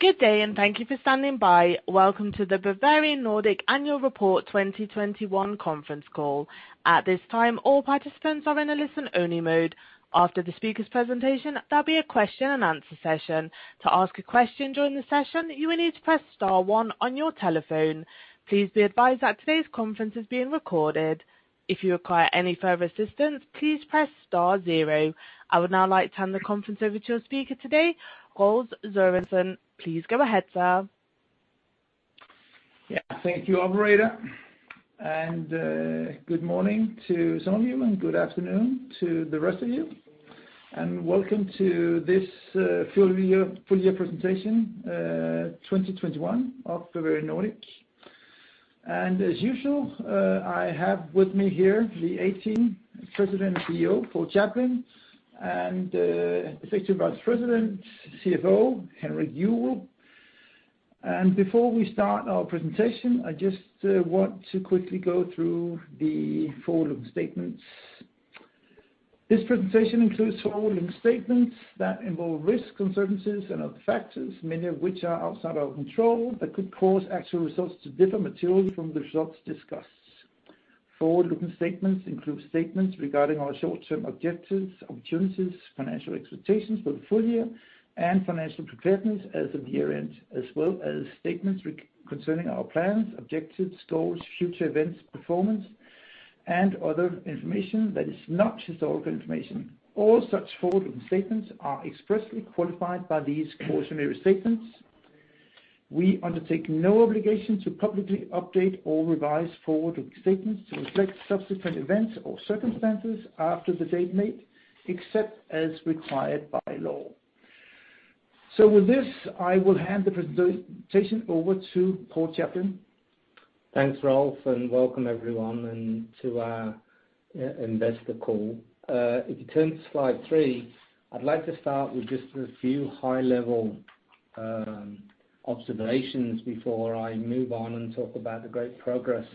Good day, and thank you for standing by. Welcome to the Bavarian Nordic Annual Report 2021 conference call. At this time, all participants are in a listen-only mode. After the speaker's presentation, there'll be a question and answer session. To ask a question during the session, you will need to press star one on your telephone. Please be advised that today's conference is being recorded. If you require any further assistance, please press star zero. I would now like to turn the conference over to your speaker today, Rolf Sass Sørensen. Please go ahead, sir. Thank you, operator. Good morning to some of you, and good afternoon to the rest of you. Welcome to this full year presentation 2021 of Bavarian Nordic. As usual, I have with me here the A team, President and CEO, Paul Chaplin, and Executive Vice President, CFO, Henrik Juuel. Before we start our presentation, I just want to quickly go through the forward-looking statements. This presentation includes forward-looking statements that involve risks, uncertainties, and other factors, many of which are outside our control, that could cause actual results to differ materially from the results discussed. Forward-looking statements include statements regarding our short-term objectives, opportunities, financial expectations for the full year and financial preparedness as of year-end, as well as statements concerning our plans, objectives, goals, future events, performance, and other information that is not historical information. All such forward-looking statements are expressly qualified by these cautionary statements. We undertake no obligation to publicly update or revise forward-looking statements to reflect subsequent events or circumstances after the date made, except as required by law. With this, I will hand the presentation over to Paul Chaplin. Thanks, Rolf, and welcome everyone, and to our investor call. If you turn to slide three, I'd like to start with just a few high-level observations before I move on and talk about the great progress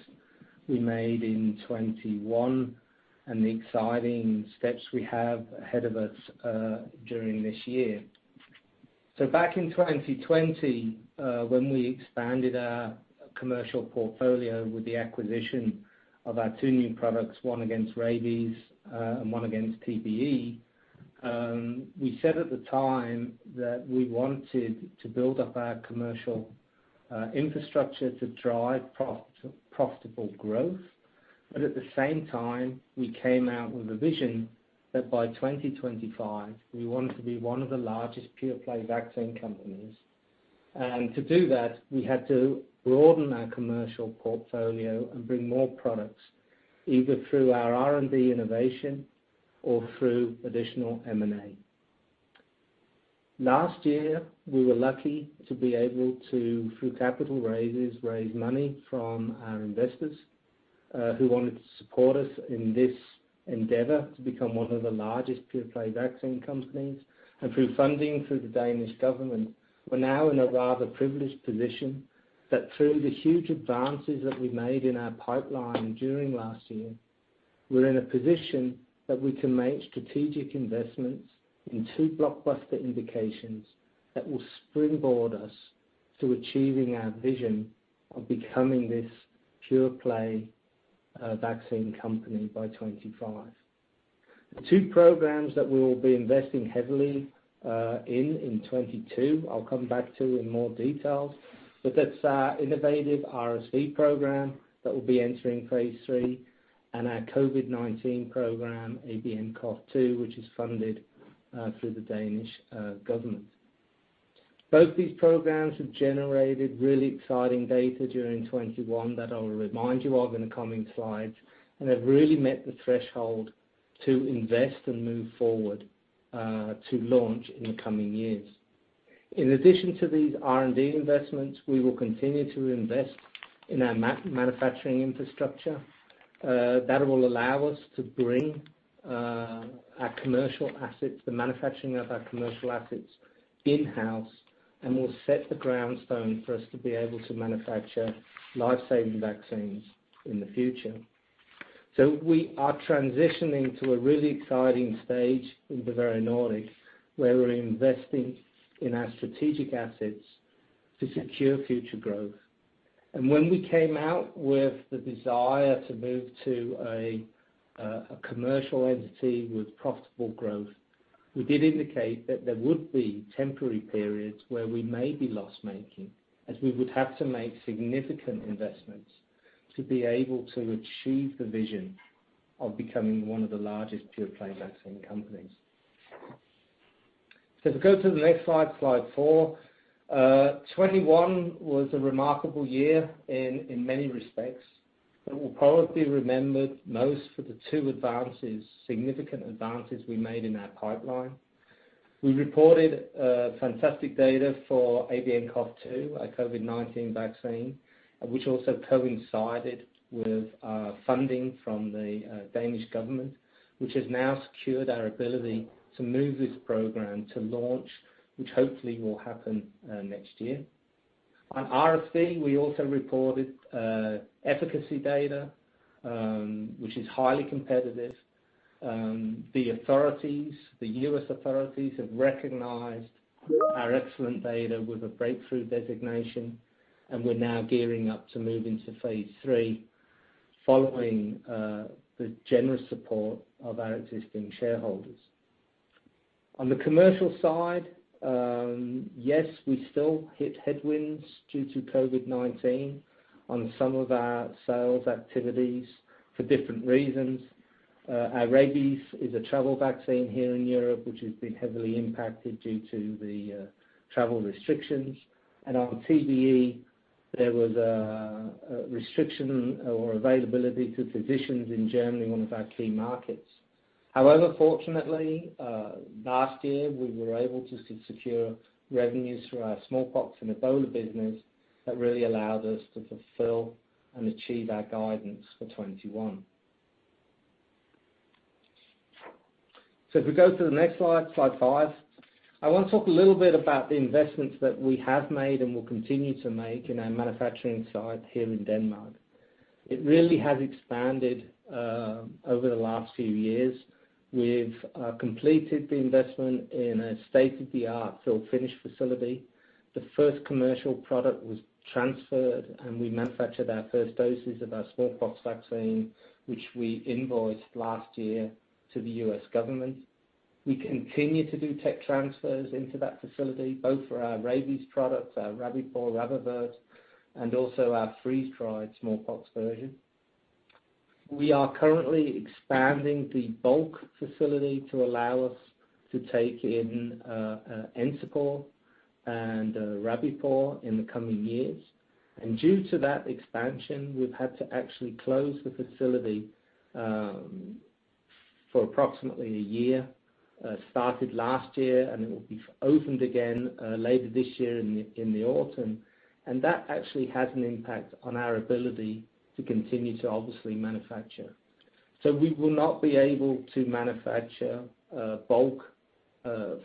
we made in 2021 and the exciting steps we have ahead of us during this year. Back in 2020, when we expanded our commercial portfolio with the acquisition of our two new products, one against rabies and one against TBE, we said at the time that we wanted to build up our commercial infrastructure to drive profitable growth. At the same time, we came out with a vision that by 2025, we wanted to be one of the largest pure-play vaccine companies. To do that, we had to broaden our commercial portfolio and bring more products, either through our R&D innovation or through additional M&A. Last year, we were lucky to be able to, through capital raises, raise money from our investors, who wanted to support us in this endeavor to become one of the largest pure-play vaccine companies. Through funding through the Danish government, we're now in a rather privileged position that through the huge advances that we made in our pipeline during last year, we're in a position that we can make strategic investments in two blockbuster indications that will springboard us to achieving our vision of becoming this pure-play vaccine company by 2025. The two programs that we will be investing heavily in 2022, I'll come back to in more detail. That's our innovative RSV program that will be entering phase III, and our COVID-19 program, ABNCoV2, which is funded through the Danish government. Both these programs have generated really exciting data during 2021 that I will remind you of in the coming slides, and have really met the threshold to invest and move forward to launch in the coming years. In addition to these R&D investments, we will continue to invest in our manufacturing infrastructure. That will allow us to bring our commercial assets, the manufacturing of our commercial assets in-house and will set the groundwork for us to be able to manufacture life-saving vaccines in the future. We are transitioning to a really exciting stage in Bavarian Nordic, where we're investing in our strategic assets to secure future growth. 2when we came out with the desire to move to a commercial entity with profitable growth, we did indicate that there would be temporary periods where we may be loss-making, as we would have to make significant investments to be able to achieve the vision of becoming one of the largest pure-play vaccine companies. If we go to the next slide four. 2021 was a remarkable year in many respects, but will probably be remembered most for the two advances, significant advances we made in our pipeline. We reported fantastic data for ABNCoV2, a COVID-19 vaccine, which also coincided with funding from the Danish government, which has now secured our ability to move this program to launch, which hopefully will happen next year. On RSV, we also reported efficacy data, which is highly competitive. The authorities, the U.S. authorities, have recognized our excellent data with a breakthrough designation, and we're now gearing up to move into phase III following the generous support of our existing shareholders. On the commercial side, yes, we still hit headwinds due to COVID-19 on some of our sales activities for different reasons. Our rabies is a travel vaccine here in Europe, which has been heavily impacted due to the travel restrictions. On TBE, there was a restriction or availability to physicians in Germany, one of our key markets. However, fortunately, last year, we were able to secure revenues through our smallpox and Ebola business that really allowed us to fulfill and achieve our guidance for 2021. If we go to the next slide five, I wanna talk a little bit about the investments that we have made and will continue to make in our manufacturing site here in Denmark. It really has expanded over the last few years. We've completed the investment in a state-of-the-art fill finish facility. The first commercial product was transferred, and we manufactured our first doses of our smallpox vaccine, which we invoiced last year to the U.S. government. We continue to do tech transfers into that facility, both for our rabies products, our Rabipur, RabAvert, and also our freeze-dried smallpox version. We are currently expanding the bulk facility to allow us to take in Encepur and Rabipur in the coming years. Due to that expansion, we've had to actually close the facility for approximately a year, started last year, and it will be opened again later this year in the autumn. That actually has an impact on our ability to continue to obviously manufacture. We will not be able to manufacture bulk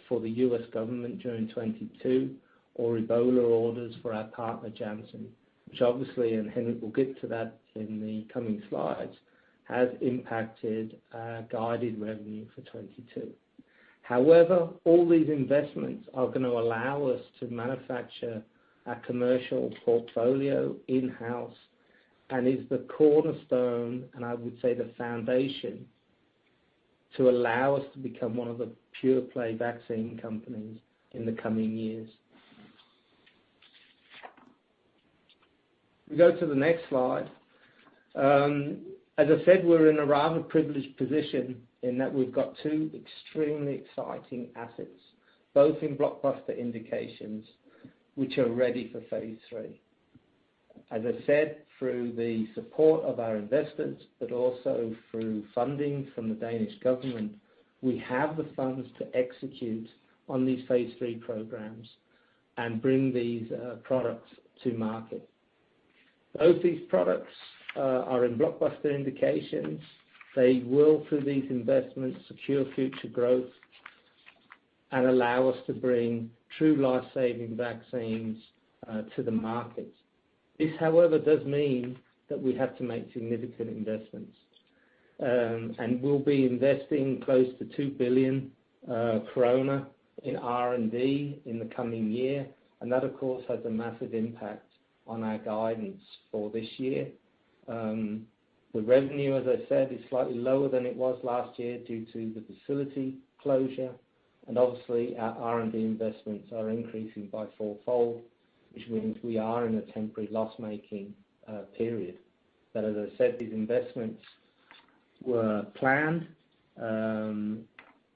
for the US government during 2022 or Ebola orders for our partner, Janssen, which obviously, and Henrik will get to that in the coming slides, has impacted our guided revenue for 2022. However, all these investments are gonna allow us to manufacture our commercial portfolio in-house, and is the cornerstone, and I would say the foundation, to allow us to become one of the pure play vaccine companies in the coming years. We go to the next slide. As I said, we're in a rather privileged position in that we've got two extremely exciting assets, both in blockbuster indications, which are ready for phase III. As I said, through the support of our investors, but also through funding from the Danish government, we have the funds to execute on these phase III programs and bring these products to market. Both these products are in blockbuster indications. They will, through these investments, secure future growth and allow us to bring true life-saving vaccines to the market. This, however, does mean that we have to make significant investments. We'll be investing close to 2 billion krone in R&D in the coming year. That, of course, has a massive impact on our guidance for this year. The revenue, as I said, is slightly lower than it was last year due to the facility closure. Obviously, our R&D investments are increasing by four-fold, which means we are in a temporary loss-making period. As I said, these investments were planned,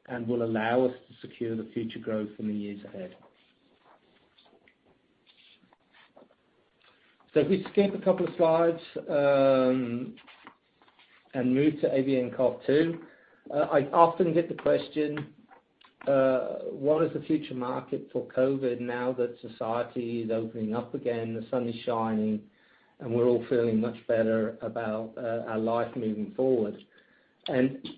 and will allow us to secure the future growth in the years ahead. If we skip a couple of slides, and move to ABNCoV2. I often get the question, what is the future market for COVID now that society is opening up again, the sun is shining, and we're all feeling much better about our life moving forward.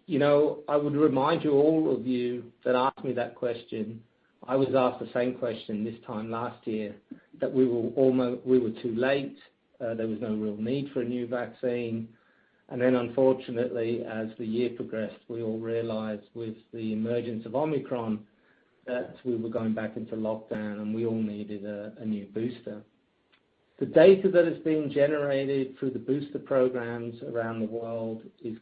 You know, I would remind you, all of you that ask me that question, I was asked the same question this time last year, that we were too late, there was no real need for a new vaccine. Then unfortunately, as the year progressed, we all realized with the emergence of Omicron that we were going back into lockdown, and we all needed a new booster. The data that is being generated through the booster programs around the world is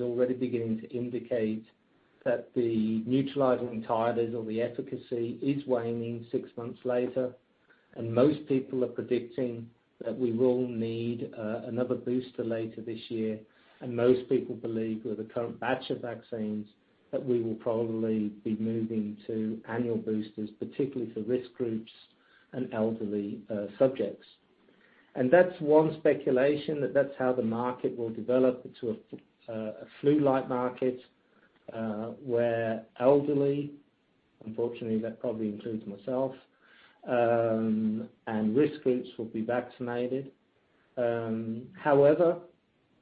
already beginning to indicate that the neutralizing titers or the efficacy is waning six months later. Most people are predicting that we will need another booster later this year. Most people believe with the current batch of vaccines that we will probably be moving to annual boosters, particularly for risk groups and elderly subjects. That's one speculation that how the market will develop into a flu-like market, where elderly, unfortunately, that probably includes myself, and risk groups will be vaccinated. However,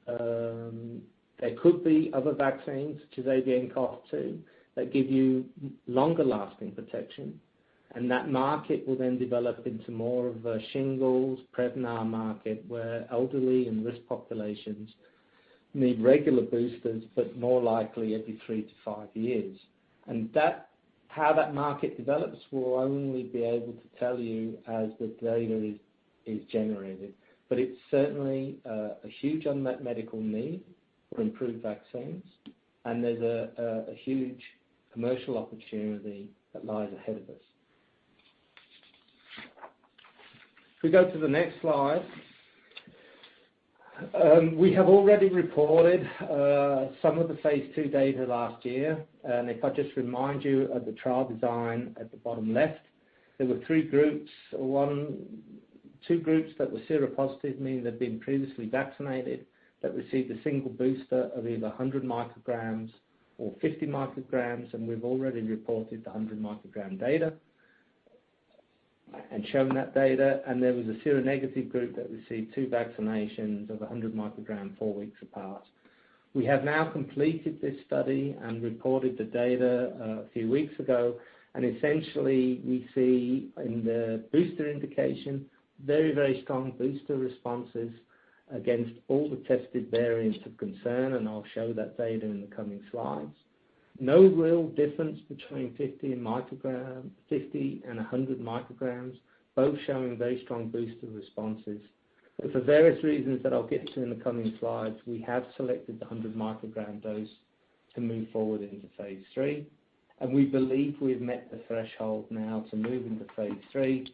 there could be other vaccines to ABNCoV2 that give you longer-lasting protection, and that market will then develop into more of a shingles Prevnar market, where elderly and risk populations need regular boosters, but more likely every three to five years. How that market develops, we'll only be able to tell you as the data is generated. But it's certainly a huge unmet medical need for improved vaccines, and there's a huge commercial opportunity that lies ahead of us. If we go to the next slide. We have already reported some of the phase II data last year. If I just remind you of the trial design at the bottom left, there were three groups. Two groups that were seropositive, meaning they've been previously vaccinated, that received a single booster of either 100 micrograms or 50 micrograms, and we've already reported the 100 microgram data and shown that data. There was a seronegative group that received two vaccinations of 100 micrograms four weeks apart. We have now completed this study and reported the data a few weeks ago, and essentially we see in the booster indication very, very strong booster responses against all the tested variants of concern, and I'll show that data in the coming slides. No real difference between 50 and 100 micrograms, both showing very strong booster responses. For various reasons that I'll get to in the coming slides, we have selected the 100 microgram dose to move forward into phase III. We believe we've met the threshold now to move into phase III.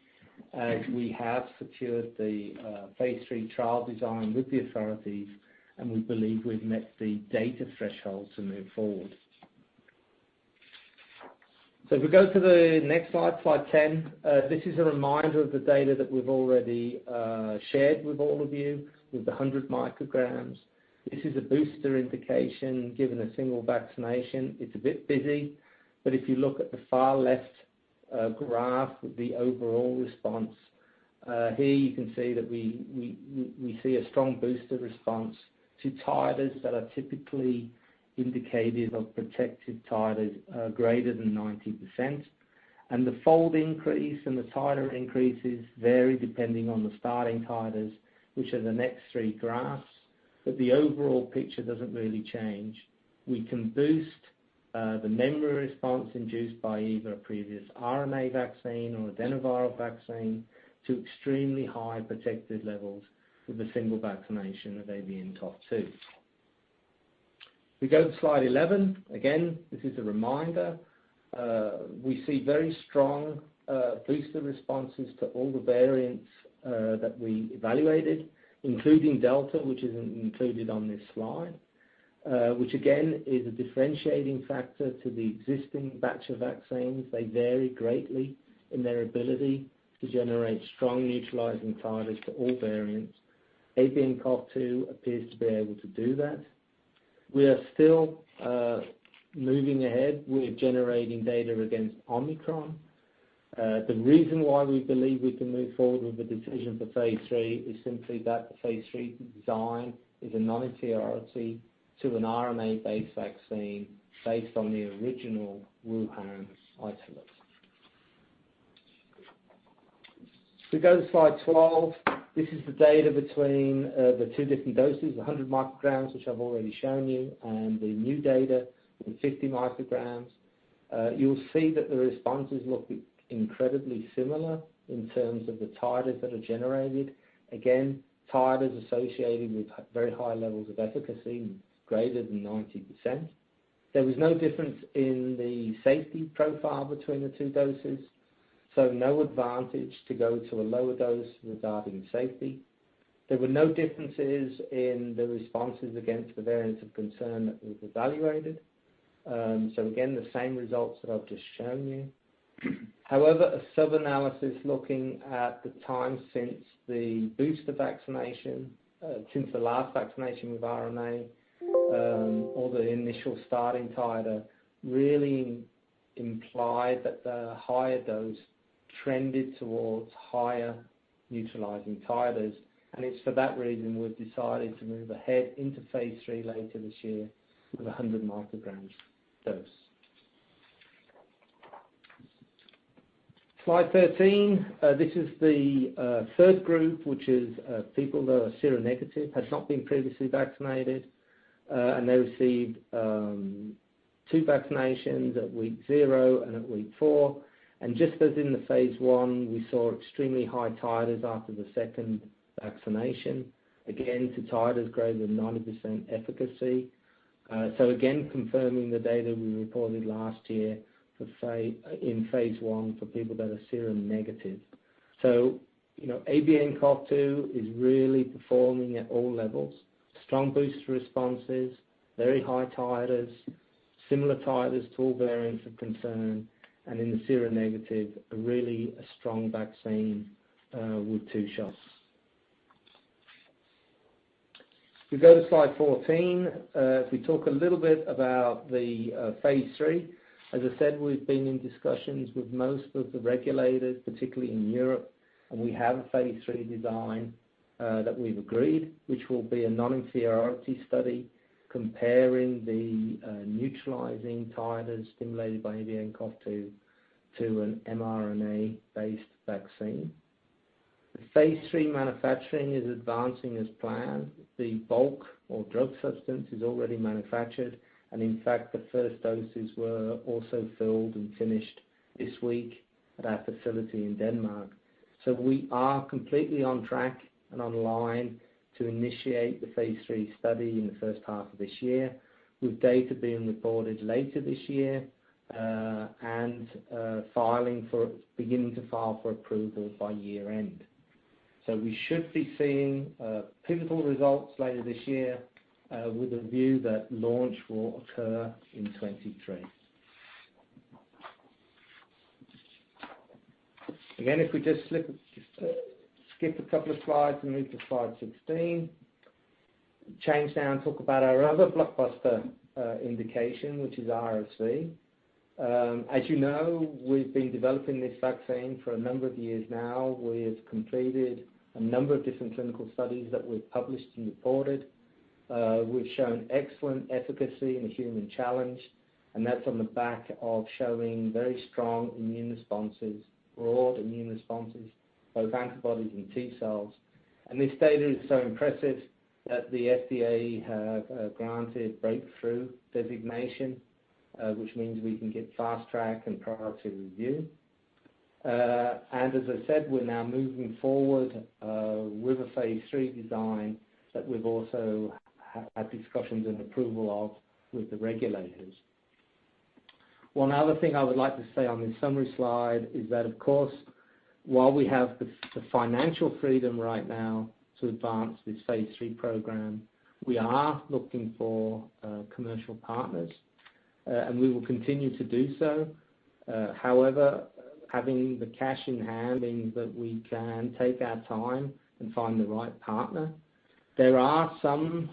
We have secured the phase III trial design with the authorities, and we believe we've met the data threshold to move forward. If we go to the next slide 10. This is a reminder of the data that we've already shared with all of you with the 100 micrograms. This is a booster indication, given a single vaccination. It's a bit busy, but if you look at the far left graph with the overall response, here you can see that we see a strong booster response to titers that are typically indicated of protective titers, greater than 90%. The fold increase and the titer increases vary depending on the starting titers, which are the next three graphs. The overall picture doesn't really change. We can boost the memory response induced by either a previous RNA vaccine or adenoviral vaccine to extremely high protective levels with a single vaccination of ABNCoV2. If we go to slide 11. Again, this is a reminder. We see very strong booster responses to all the variants that we evaluated, including Delta, which isn't included on this slide, which again, is a differentiating factor to the existing batch of vaccines. They vary greatly in their ability to generate strong neutralizing titers to all variants. ABNCoV2 appears to be able to do that. We are still moving ahead. We're generating data against Omicron. The reason why we believe we can move forward with the decision for phase III is simply that the phase III design is a non-inferiority to an RNA-based vaccine based on the original Wuhan isolate. If we go to slide 12. This is the data between the two different doses, 100 micrograms, which I've already shown you, and the new data with 50 micrograms. You'll see that the responses look incredibly similar in terms of the titers that are generated. Again, titers associated with very high levels of efficacy, greater than 90%. There was no difference in the safety profile between the two doses, so no advantage to go to a lower dose regarding safety. There were no differences in the responses against the variants of concern that we've evaluated. So again, the same results that I've just shown you. However, a sub-analysis looking at the time since the booster vaccination, since the last vaccination with RNA, or the initial starting titer, really implied that the higher dose trended towards higher neutralizing titers. It's for that reason we've decided to move ahead into phase III later this year with a 100-microgram dose. Slide 13. This is the third group, which is people that are seronegative, have not been previously vaccinated. They received two vaccinations at week 0 and at week 4. Just as in the phase I, we saw extremely high titers after the second vaccination, again, to titers greater than 90% efficacy. Again, confirming the data we reported last year in phase I for people that are seronegative. You know, ABNCoV2 is really performing at all levels. Strong booster responses, very high titers, similar titers to all variants of concern, and in the seronegative, really a strong vaccine with two shots. If you go to slide 14, if we talk a little bit about the phase III, as I said, we've been in discussions with most of the regulators, particularly in Europe, and we have a phase III design that we've agreed, which will be a non-inferiority study comparing the neutralizing titers stimulated by ABNCoV2 to an mRNA-based vaccine. The phase III manufacturing is advancing as planned. The bulk or drug substance is already manufactured, and in fact, the first doses were also filled and finished this week at our facility in Denmark. We are completely on track and online to initiate the phase III study in the first half of this year, with data being reported later this year, and beginning to file for approval by year-end. We should be seeing pivotal results later this year, with a view that launch will occur in 2023. Again, if we just skip a couple of slides and move to slide 16. Change now and talk about our other blockbuster indication, which is RSV. As you know, we've been developing this vaccine for a number of years now. We have completed a number of different clinical studies that we've published and reported. We've shown excellent efficacy in the human challenge, and that's on the back of showing very strong immune responses, broad immune responses, both antibodies and T-cells. This data is so impressive that the FDA have granted breakthrough designation, which means we can get fast track and priority review. As I said, we're now moving forward with a phase III design that we've also had discussions and approval of with the regulators. One other thing I would like to say on this summary slide is that, of course, while we have the financial freedom right now to advance this phase III program, we are looking for commercial partners, and we will continue to do so. However, having the cash in hand means that we can take our time and find the right partner. There are some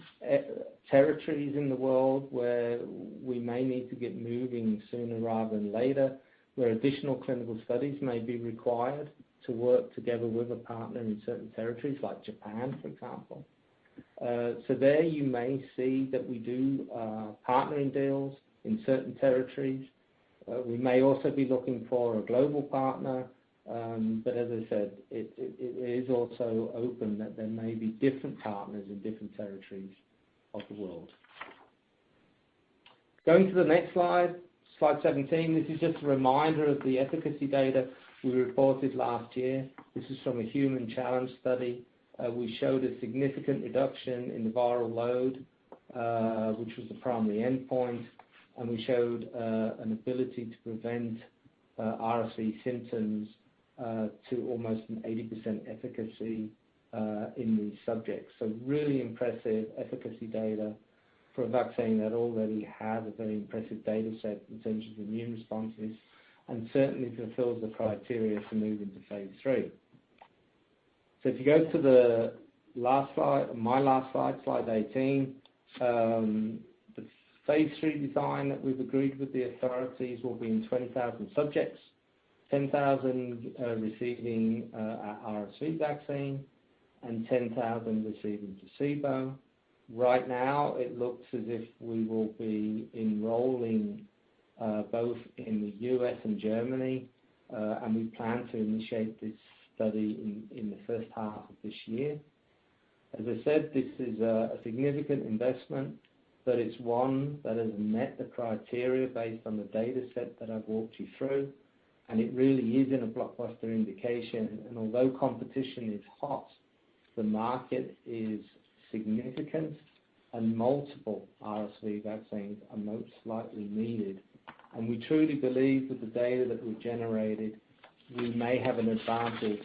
territories in the world where we may need to get moving sooner rather than later, where additional clinical studies may be required to work together with a partner in certain territories, like Japan, for example. There you may see that we do partnering deals in certain territories. We may also be looking for a global partner, but as I said, it is also open that there may be different partners in different territories of the world. Going to the next slide 17. This is just a reminder of the efficacy data we reported last year. This is from a human challenge study. We showed a significant reduction in the viral load, which was the primary endpoint, and we showed an ability to prevent RSV symptoms to almost an 80% efficacy in the subject. Really impressive efficacy data for a vaccine that already had a very impressive data set in terms of immune responses, and certainly fulfills the criteria to move into phase III. If you go to the last slide, my last slide 18. The phase III design that we've agreed with the authorities will be in 20,000 subjects, 10,000 receiving our RSV vaccine and 10,000 receiving the placebo. Right now, it looks as if we will be enrolling both in the U.S. and Germany, and we plan to initiate this study in the first half of this year. As I said, this is a significant investment, but it's one that has met the criteria based on the data set that I've walked you through, and it really is in a blockbuster indication. Although competition is hot, the market is significant and multiple RSV vaccines are most likely needed. We truly believe that the data that we've generated, we may have an advantage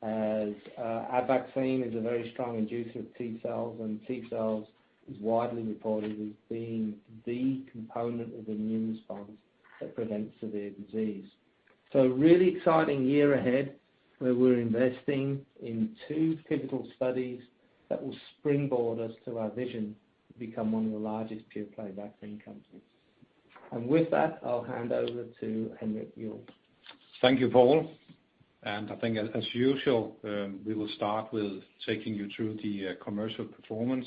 as our vaccine is a very strong inducer of T-cells, and T-cells is widely reported as being the component of immune response that prevents severe disease. A really exciting year ahead, where we're investing in two pivotal studies that will springboard us to our vision to become one of the largest pure-play vaccine companies. With that, I'll hand over to Henrik Juuel. Thank you, Paul. I think as usual, we will start with taking you through the commercial performance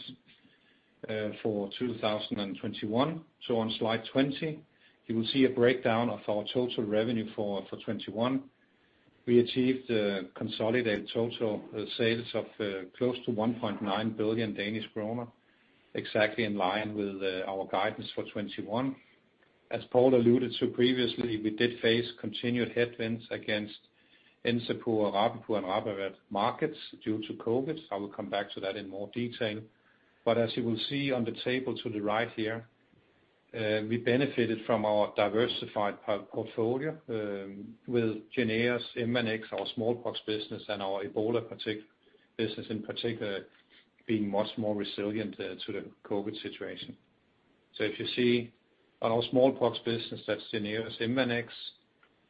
for 2021. On slide 20, you will see a breakdown of our total revenue for 2021. We achieved consolidated total sales of close to 1.9 billion Danish kroner, exactly in line with our guidance for 2021. As Paul alluded to previously, we did face continued headwinds against Encepur, Rabipur, and RabAvert markets due to COVID. I will come back to that in more detail. As you will see on the table to the right here, we benefited from our diversified portfolio, with JYNNEOS/IMVANEX, our smallpox business, and our Ebola business in particular, being much more resilient, to the COVID situation. If you see on our smallpox business that's in U.S. JYNNEOS,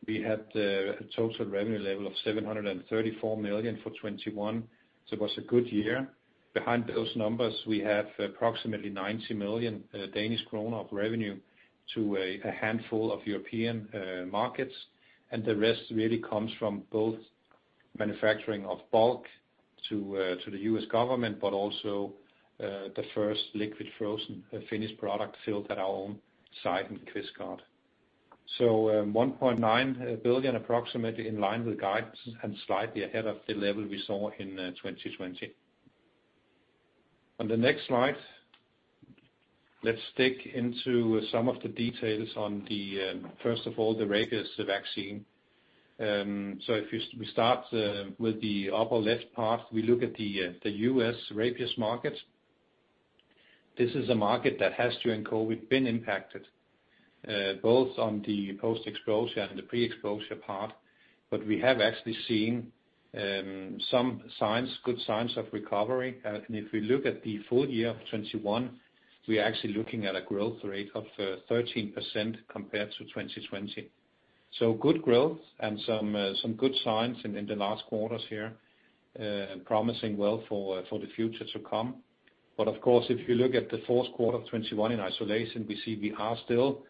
we had a total revenue level of 734 million for 2021. It was a good year. Behind those numbers, we have approximately 90 million Danish kroner of revenue to a handful of European markets. The rest really comes from both manufacturing of bulk to the U.S. government, but also, the first liquid frozen finished product filled at our own site in Kvistgaard. Total revenue was 1.9 billion approximately in line with guidance and slightly ahead of the level we saw in 2020. On the next slide, let's dig into some of the details on the first of all, the rabies vaccine. We start with the upper left part. We look at the U.S. rabies market. This is a market that has during COVID been impacted both on the post-exposure and the pre-exposure part, but we have actually seen some signs, good signs of recovery. If we look at the full year of 2021, we're actually looking at a growth rate of 13% compared to 2020. Good growth and some good signs in the last quarters here, promising well for the future to come. Of course, if you look at the fourth quarter of 2021 in isolation, we see we are still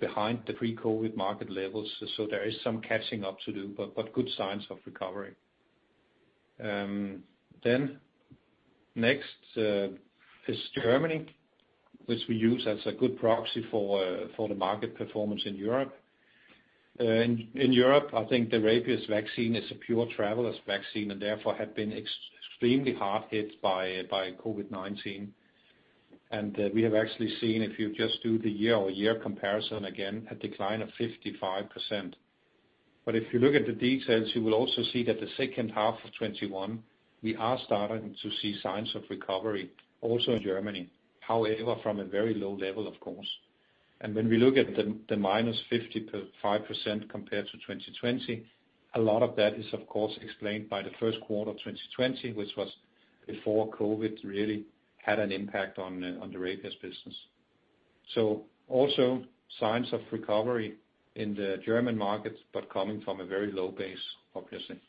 behind the pre-COVID market levels. There is some catching up to do, but good signs of recovery. Next is Germany, which we use as a good proxy for the market performance in Europe. In Europe, I think the rabies vaccine is a pure travelers vaccine and therefore have been extremely hard hit by COVID-19. We have actually seen if you just do the year-over-year comparison, again, a decline of 55%. But if you look at the details, you will also see that the second half of 2021, we are starting to see signs of recovery also in Germany, however, from a very low level, of course. When we look at the -55% compared to 2020, a lot of that is of course explained by the first quarter of 2020, which was before COVID really had an impact on the rabies business. Also signs of recovery in the German market, but coming from a very low base, obviously.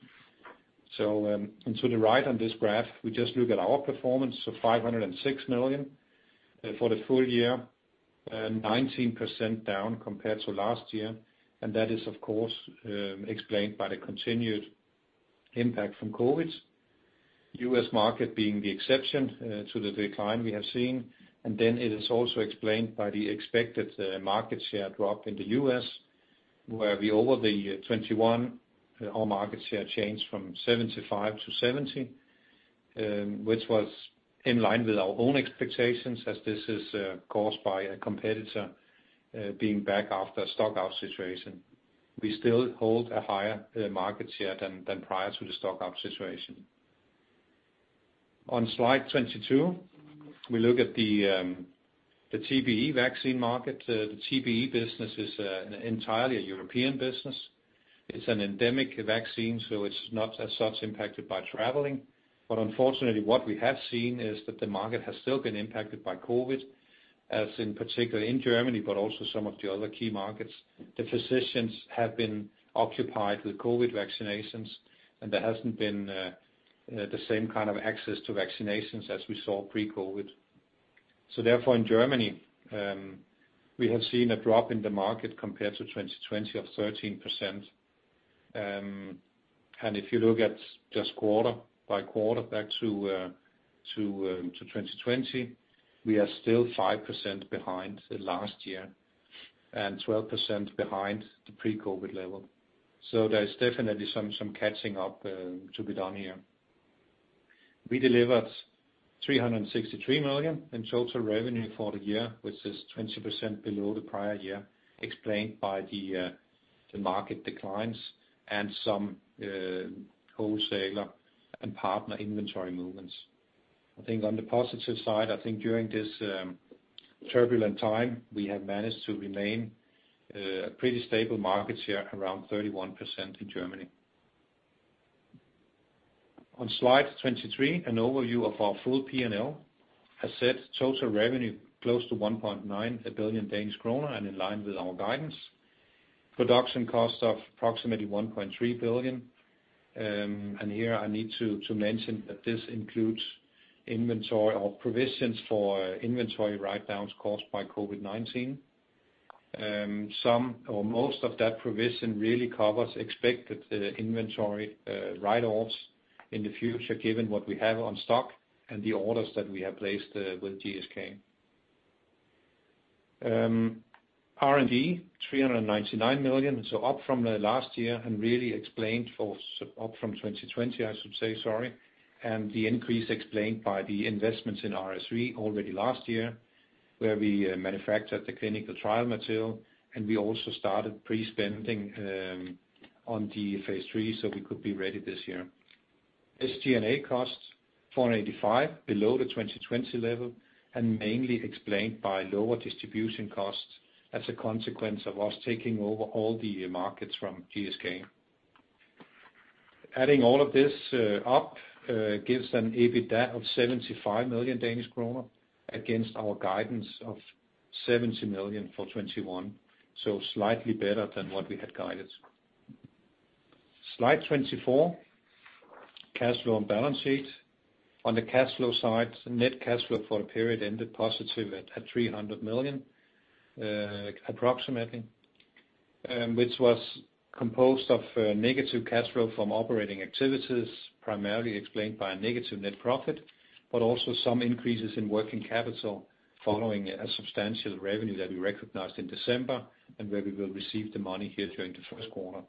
And to the right on this graph, we just look at our performance of 506 million for the full year, 19% down compared to last year. That is of course explained by the continued impact from COVID. U.S. market being the exception to the decline we have seen. Then it is also explained by the expected market share drop in the U.S. where we over the year 2021, our market share changed from 75% to 70%, which was in line with our own expectations as this is caused by a competitor being back after a stock out situation. We still hold a higher market share than prior to the stock out situation. On slide 22, we look at the TBE vaccine market. The TBE business is entirely a European business. It's an endemic vaccine, so it's not as such impacted by traveling. Unfortunately, what we have seen is that the market has still been impacted by COVID, as in particular in Germany, but also some of the other key markets. The physicians have been occupied with COVID vaccinations, and there hasn't been the same kind of access to vaccinations as we saw pre-COVID. Therefore, in Germany, we have seen a drop in the market compared to 2020 of 13%. If you look at just quarter by quarter back to 2020, we are still 5% behind the last year and 12% behind the pre-COVID level. There's definitely some catching up to be done here. We delivered 363 million in total revenue for the year, which is 20% below the prior year, explained by the market declines and some wholesaler and partner inventory movements. I think on the positive side, I think during this turbulent time, we have managed to remain pretty stable market share around 31% in Germany. On slide 23, an overview of our full P&L. As said, total revenue close to 1.9 billion Danish kroner and in line with our guidance. Production costs of approximately 1.3 billion. And here I need to mention that this includes inventory or provisions for inventory write-downs caused by COVID-19. Some or most of that provision really covers expected inventory write-offs in the future given what we have on stock and the orders that we have placed with GSK. R&D, 399 million, so up from the last year and really explained for up from 2020, I should say, sorry. The increase is explained by the investments in RSV phase III already last year, where we manufactured the clinical trial material, and we also started pre-spending on the phase III, so we could be ready this year. SG&A costs 485, below the 2020 level and mainly explained by lower distribution costs as a consequence of us taking over all the markets from GSK. Adding all of this up gives an EBITDA of 75 million Danish kroner against our guidance of 70 million for 2021. Slightly better than what we had guided. Slide 24, cash flow and balance sheet. On the cash flow side, net cash flow for the period ended positive at 300 million approximately, which was composed of negative cash flow from operating activities, primarily explained by a negative net profit, but also some increases in working capital following a substantial revenue that we recognized in December, and where we will receive the money here during the first quarter.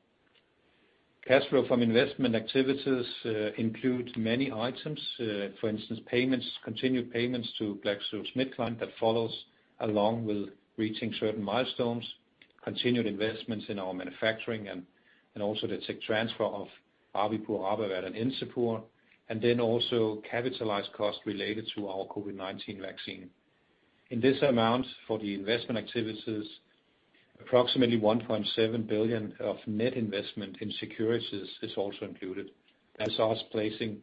Cash flow from investment activities includes many items. For instance, payments, continued payments to GSK that follows along with reaching certain milestones, continued investments in our manufacturing and also the tech transfer of Rabipur, RabAvert and Encepur, and then also capitalized costs related to our COVID-19 vaccine. In this amount for the investment activities, approximately 1.7 billion of net investment in securities is also included. That's us placing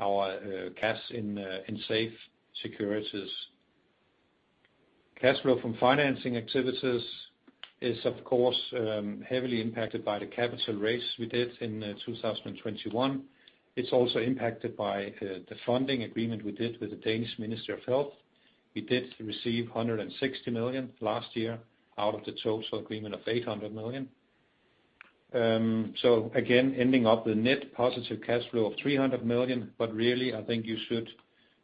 our cash in safe securities. Cash flow from financing activities is, of course, heavily impacted by the capital raise we did in 2021. It's also impacted by the funding agreement we did with the Danish Ministry of Health. We did receive 160 million last year out of the total agreement of 800 million. Again, ending up with net positive cash flow of 300 million, but really, I think you should,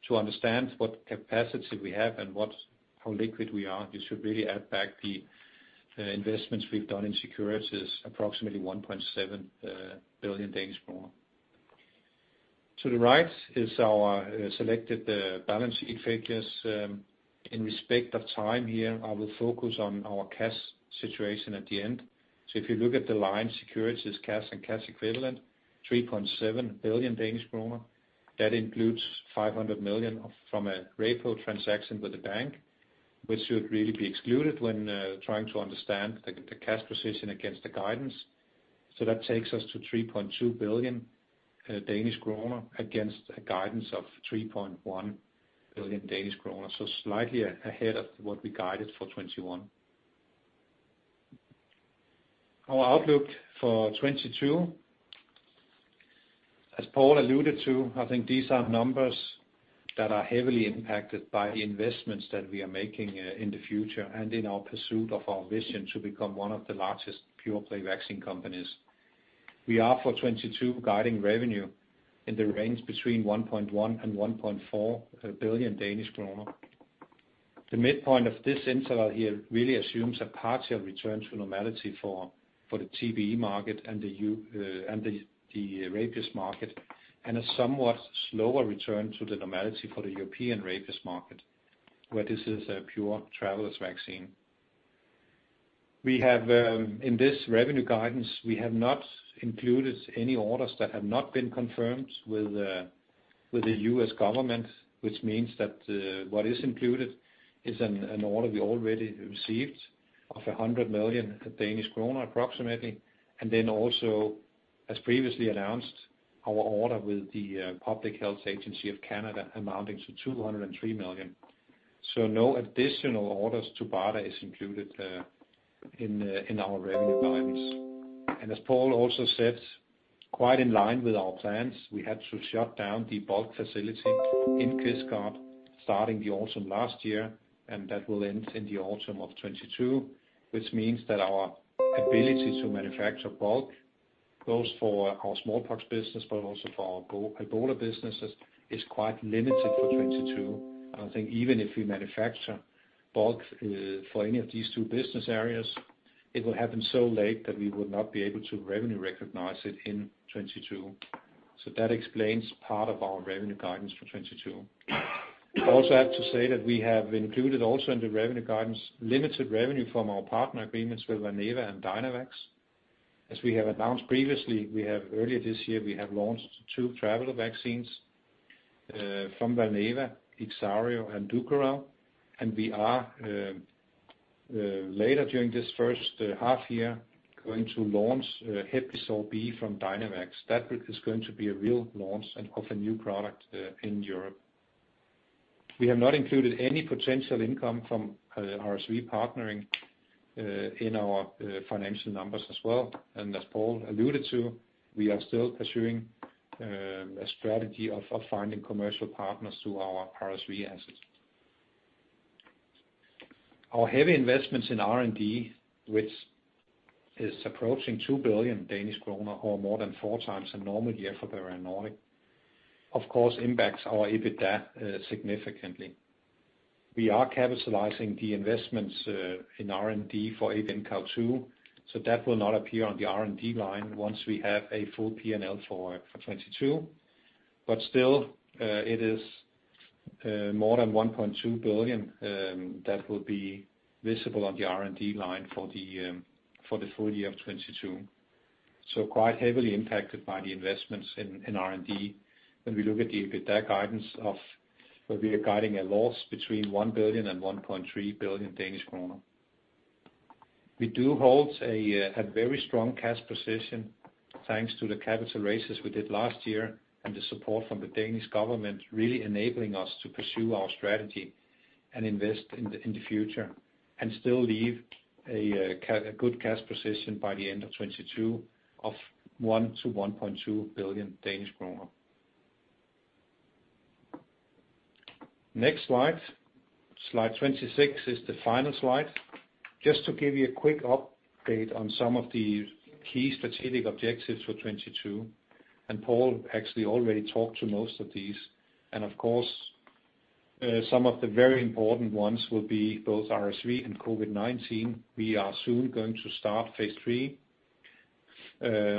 to understand what capacity we have and what's how liquid we are, you should really add back the investments we've done in securities, approximately 1.7 billion Danish kroner. To the right is our selected balance sheet figures. In respect of time here, I will focus on our cash situation at the end. If you look at the line securities, cash and cash equivalents, 3.7 billion Danish kroner. That includes 500 million from a repo transaction with the bank, which should really be excluded when trying to understand the cash position against the guidance. That takes us to 3.2 billion against a guidance of 3.1 billion Danish kroner, so slightly ahead of what we guided for 2021. Our outlook for 2022. As Paul alluded to, I think these are numbers that are heavily impacted by the investments that we are making in the future, and in our pursuit of our vision to become one of the largest pure-play vaccine companies. We are, for 2022, guiding revenue in the range between 1.1 billion and 1.4 billion Danish kroner. The midpoint of this interval here really assumes a partial return to normality for the TBE market and the rabies market, and a somewhat slower return to the normality for the European rabies market, where this is a pure travelers vaccine. We have in this revenue guidance we have not included any orders that have not been confirmed with the U.S. government, which means that what is included is an order we already received of 100 million Danish kroner, approximately. Also, as previously announced, our order with the Public Health Agency of Canada amounting to 203 million. No additional orders to BARDA is included in our revenue guidance. As Paul also said, quite in line with our plans, we had to shut down the bulk facility in Kvistgaard starting the autumn last year, and that will end in the autumn of 2022, which means that our ability to manufacture bulk, both for our smallpox business but also for our Ebola businesses, is quite limited for 2022. I think even if we manufacture bulk, for any of these two business areas, it will happen so late that we would not be able to revenue recognize it in 2022. That explains part of our revenue guidance for 2022. Also have to say that we have included also in the revenue guidance limited revenue from our partner agreements with Valneva and Dynavax. As we have announced previously, we have launched two traveler vaccines from Valneva, IXIARO and DUKORAL, and we are later during this first half year going to launch HEPLISAV-B from Dynavax. That is going to be a real launch of a new product in Europe. We have not included any potential income from RSV partnering in our financial numbers as well. As Paul alluded to, we are still pursuing a strategy of finding commercial partners to our RSV assets. Our heavy investments in R&D, which is approaching 2 billion Danish kroner, or more than four times a normal year for Bavarian Nordic, of course impacts our EBITDA significantly. We are capitalizing the investments in R&D for ABNCoV2, so that will not appear on the R&D line once we have a full P&L for 2022. Still, it is more than 1.2 billion that will be visible on the R&D line for the full year of 2022. Quite heavily impacted by the investments in R&D when we look at the EBITDA guidance of where we are guiding a loss between 1 billion and 1.3 billion Danish kroner. We do hold a very strong cash position thanks to the capital raises we did last year and the support from the Danish government really enabling us to pursue our strategy and invest in the future and still leave a good cash position by the end of 2022 of 1 billion to 1.2 billion Danish kroner. Next slide. Slide 26 is the final slide. Just to give you a quick update on some of the key strategic objectives for 2022, and Paul actually already talked to most of these. Of course, some of the very important ones will be both RSV and COVID-19. We are soon going to start phase III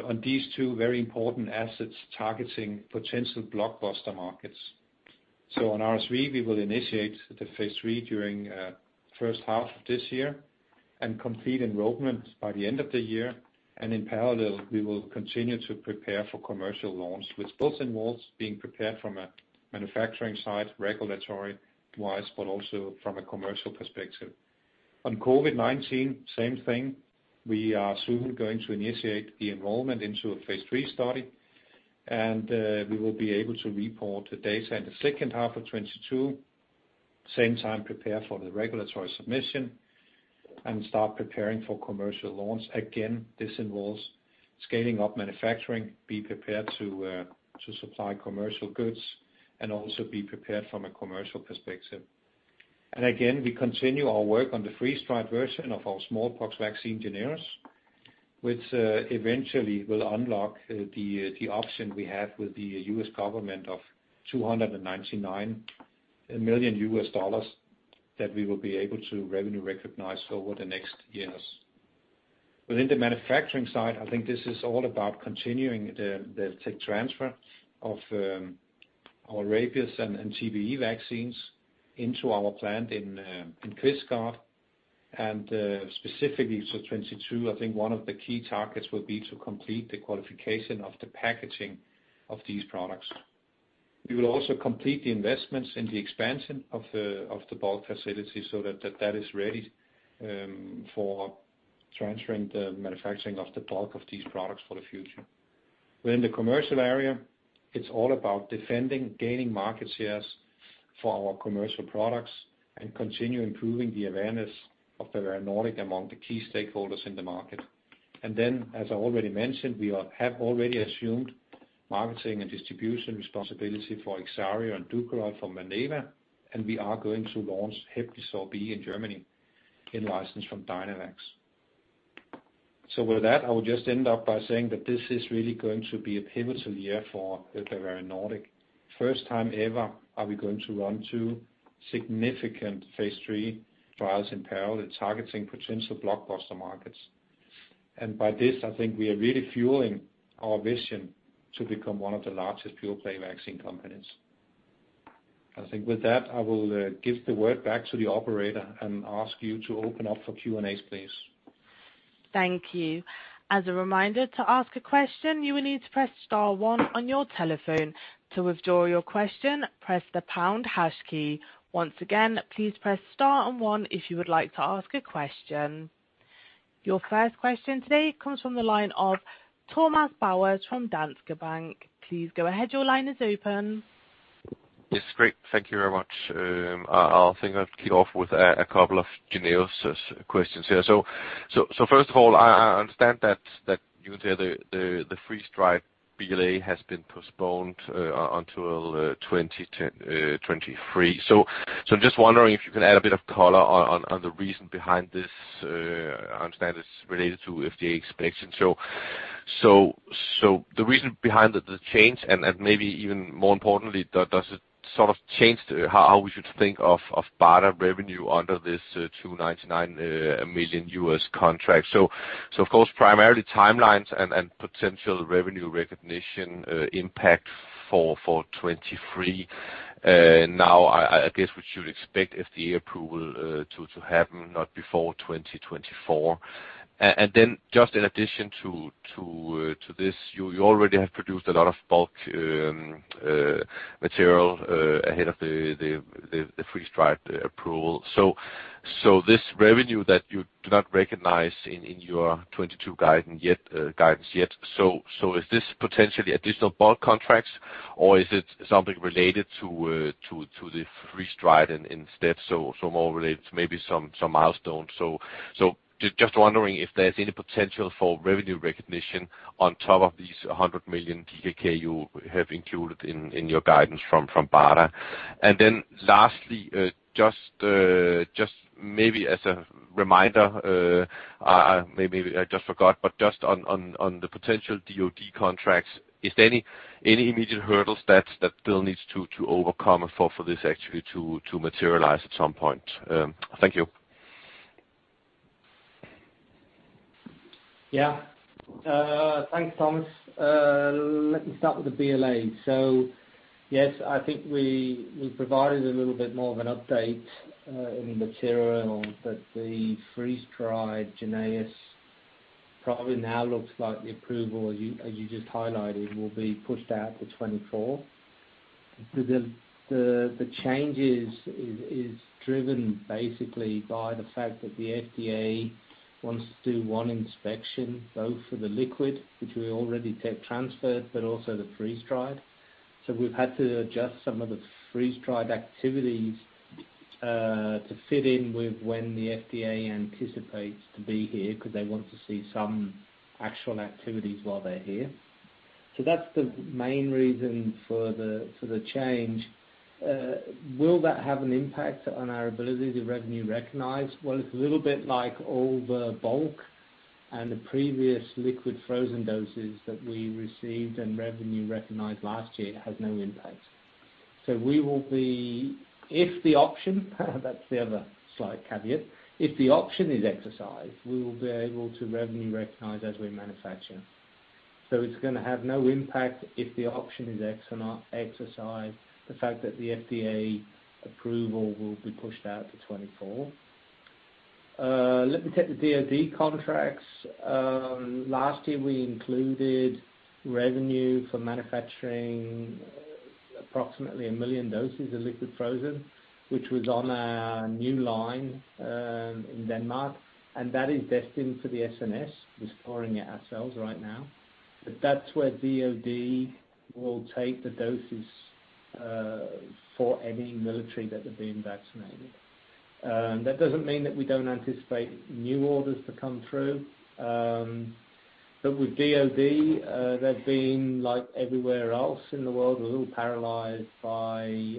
on these two very important assets targeting potential blockbuster markets. On RSV, we will initiate the phase III during first half of this year and complete enrollment by the end of the year. In parallel, we will continue to prepare for commercial launch, which both involves being prepared from a manufacturing side, regulatory-wise, but also from a commercial perspective. On COVID-19, same thing. We are soon going to initiate the enrollment into a phase III study, and we will be able to report the data in the second half of 2022. At the same time prepare for the regulatory submission and start preparing for commercial launch. Again, this involves scaling up manufacturing, be prepared to supply commercial goods and also be prepared from a commercial perspective. Again, we continue our work on the freeze-dried version of our smallpox vaccine, JYNNEOS, which eventually will unlock the option we have with the U.S. government of $299 million that we will be able to revenue recognize over the next years. Within the manufacturing side, I think this is all about continuing the tech transfer of our rabies and TBE vaccines into our plant in Kvistgaard. Specifically to 2022, I think one of the key targets will be to complete the qualification of the packaging of these products. We will also complete the investments in the expansion of the bulk facility so that is ready for transferring the manufacturing of the bulk of these products for the future. Within the commercial area, it's all about defending, gaining market shares for our commercial products and continue improving the awareness of the Bavarian Nordic among the key stakeholders in the market. As I already mentioned, we have already assumed marketing and distribution responsibility for IXIARO and DUKORAL from Valneva, and we are going to launch HEPLISAV-B in Germany in license from Dynavax. With that, I will just end up by saying that this is really going to be a pivotal year for the Bavarian Nordic. First time ever are we going to run two significant phase III trials in parallel, targeting potential blockbuster markets. By this, I think we are really fueling our vision to become one of the largest pure-play vaccine companies. I think with that, I will give the word back to the operator and ask you to open up for Q&As, please. Thank you. As a reminder, to ask a question, you will need to press star one on your telephone. To withdraw your question, press the pound hash key. Once again, please press star and one if you would like to ask a question. Your first question today comes from the line of Thomas Bowers from Danske Bank. Please go ahead, your line is open. Yes. Great. Thank you very much. I think I'd kick off with a couple of JYNNEOS questions here. First of all, I understand that you can say the freeze-dried BLA has been postponed until 2023. I'm just wondering if you can add a bit of color on the reason behind this. I understand it's related to FDA inspection. The reason behind the change and maybe even more importantly, does it sort of change how we should think of BARDA revenue under this $299 million US contract. Of course, primarily timelines and potential revenue recognition impact for 2023. Now I guess we should expect FDA approval to happen not before 2024. Just in addition to this, you already have produced a lot of bulk material ahead of the freeze-dried approval. This revenue that you do not recognize in your 2022 guidance yet. Is this potentially additional bulk contracts, or is it something related to the freeze-dried instead, more related to maybe some milestones? Just wondering if there's any potential for revenue recognition on top of these 100 million you have included in your guidance from BARDA. Lastly, just maybe as a reminder, maybe I just forgot, but just on the potential DoD contracts, is there any immediate hurdles that Bill needs to overcome for this actually to materialize at some point? Thank you. Yeah. Thanks, Thomas. Let me start with the BLA. Yes, I think we provided a little bit more of an update in the material that the freeze-dried JYNNEOS probably now looks like the approval, as you just highlighted, will be pushed out to 2024. The changes is driven basically by the fact that the FDA wants to do one inspection both for the liquid, which we already tech transferred, but also the freeze-dried. We've had to adjust some of the freeze-dried activities to fit in with when the FDA anticipates to be here because they want to see some actual activities while they're here. That's the main reason for the change. Will that have an impact on our ability to revenue recognize? Well, it's a little bit like all the bulk and the previous liquid frozen doses that we received and revenue recognized last year has no impact. If the option is exercised, we will be able to revenue recognize as we manufacture. It's gonna have no impact if the option is exercised or not, the fact that the FDA approval will be pushed out to 2024. Let me take the DoD contracts. Last year, we included revenue for manufacturing approximately 1 million doses of liquid frozen, which was on a new line, in Denmark. That is destined for the SNS. We're storing it ourselves right now. That's where DoD will take the doses for any military that are being vaccinated. That doesn't mean that we don't anticipate new orders to come through. With DoD, they've been like everywhere else in the world, a little paralyzed by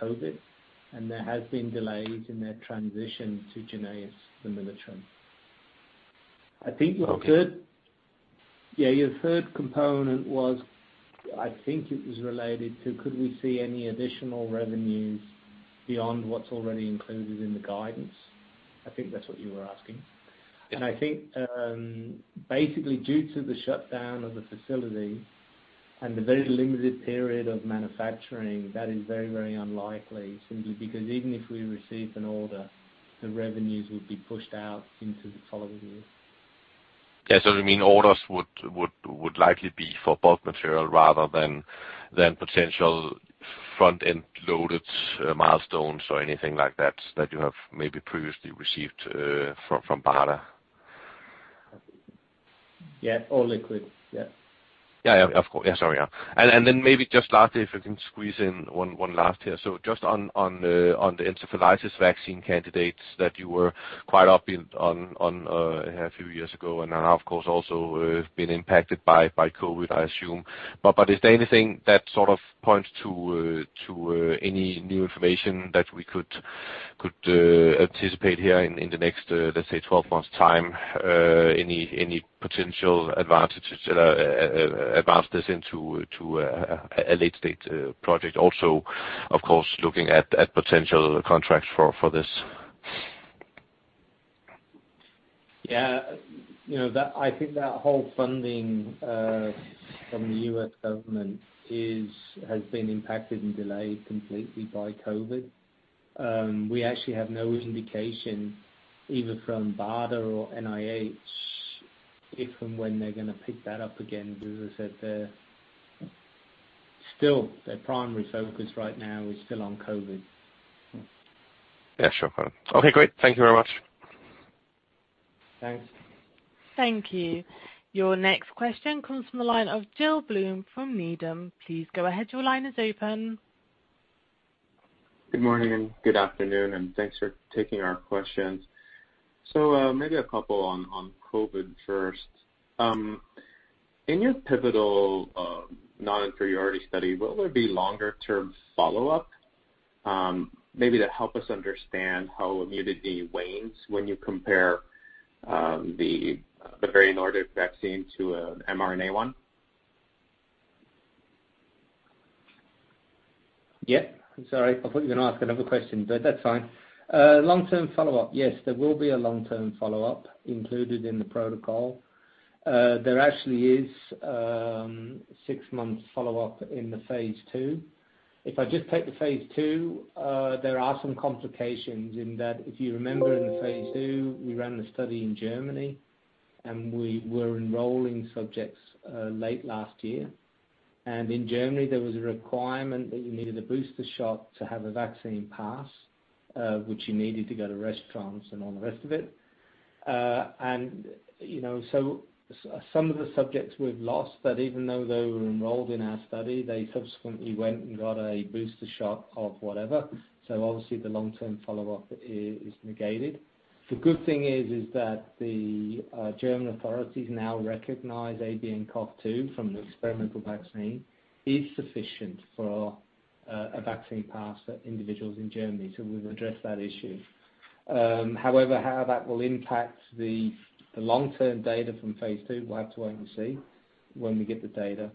COVID, and there has been delays in their transition to JYNNEOS, the military. I think your third- Okay. Yeah, your third component was, I think it was related to could we see any additional revenues beyond what's already included in the guidance. I think that's what you were asking. Yeah. I think, basically due to the shutdown of the facility and the very limited period of manufacturing, that is very, very unlikely simply because even if we receive an order, the revenues would be pushed out into the following year. Yeah. You mean orders would likely be for bulk material rather than potential front-end loaded milestones or anything like that that you have maybe previously received from BARDA? Yeah, all liquid. Yeah. Yeah, of course. Sorry. Maybe just lastly, if you can squeeze in one last here. Just on the encephalitis vaccine candidates that you were quite upbeat on a few years ago and are now, of course, also been impacted by COVID, I assume. Is there anything that sort of points to any new information that we could anticipate here in the next, let's say, 12 months' time, any potential advantages advance this into a late-stage project also, of course, looking at potential contracts for this? You know, I think that whole funding from the U.S. government has been impacted and delayed completely by COVID. We actually have no indication either from BARDA or NIH if and when they're gonna pick that up again, because as I said, their primary focus right now is still on COVID. Yeah, sure. Got it. Okay, great. Thank you very much. Thanks. Thank you. Your next question comes from the line of Gil Blum from Needham. Please go ahead. Your line is open. Good morning and good afternoon, and thanks for taking our questions. Maybe a couple on COVID first. In your pivotal non-inferiority study, will there be longer-term follow-up, maybe to help us understand how immunity wanes when you compare the Bavarian Nordic vaccine to an mRNA one? Yeah. I'm sorry. I thought you were gonna ask another question, but that's fine. Long-term follow-up. Yes, there will be a long-term follow-up included in the protocol. There actually is six months follow-up in the phase II. If I just take the phase II, there are some complications in that. If you remember in the phase II, we ran the study in Germany, and we were enrolling subjects late last year. In Germany, there was a requirement that you needed a booster shot to have a vaccine pass, which you needed to go to restaurants and all the rest of it. Some of the subjects we've lost, but even though they were enrolled in our study, they subsequently went and got a booster shot of whatever. Obviously the long-term follow-up is negated. The good thing is that the German authorities now recognize ABNCoV2 from the experimental vaccine is sufficient for a vaccine pass for individuals in Germany. We've addressed that issue. However, how that will impact the long-term data from phase II, we'll have to wait and see when we get the data.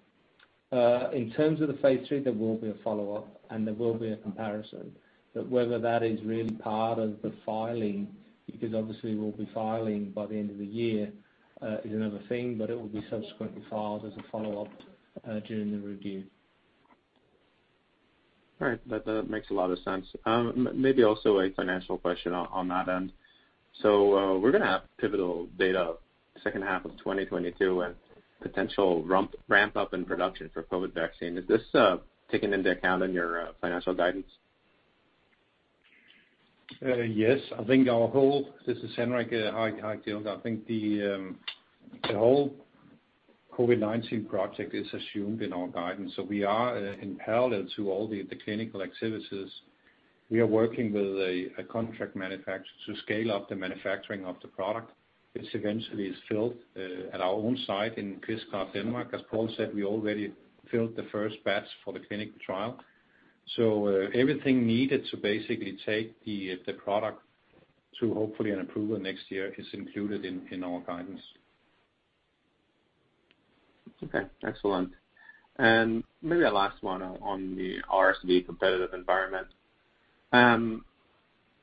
In terms of the phase III, there will be a follow-up, and there will be a comparison. Whether that is really part of the filing, because obviously we'll be filing by the end of the year, is another thing, but it will be subsequently filed as a follow-up during the review. All right. That makes a lot of sense. Maybe also a financial question on that end. We're gonna have pivotal data second half of 2022 and potential ramp-up in production for COVID vaccine. Is this taken into account on your financial guidance? This is Henrik. Hi, Gil. I think the whole COVID-19 project is assumed in our guidance. We are in parallel to all the clinical activities. We are working with a contract manufacturer to scale up the manufacturing of the product. This eventually is filled at our own site in Kvistgaard, Denmark. As Paul said, we already filled the first batch for the clinical trial. Everything needed to basically take the product to hopefully an approval next year is included in our guidance. Okay. Excellent. Maybe a last one on the RSV competitive environment.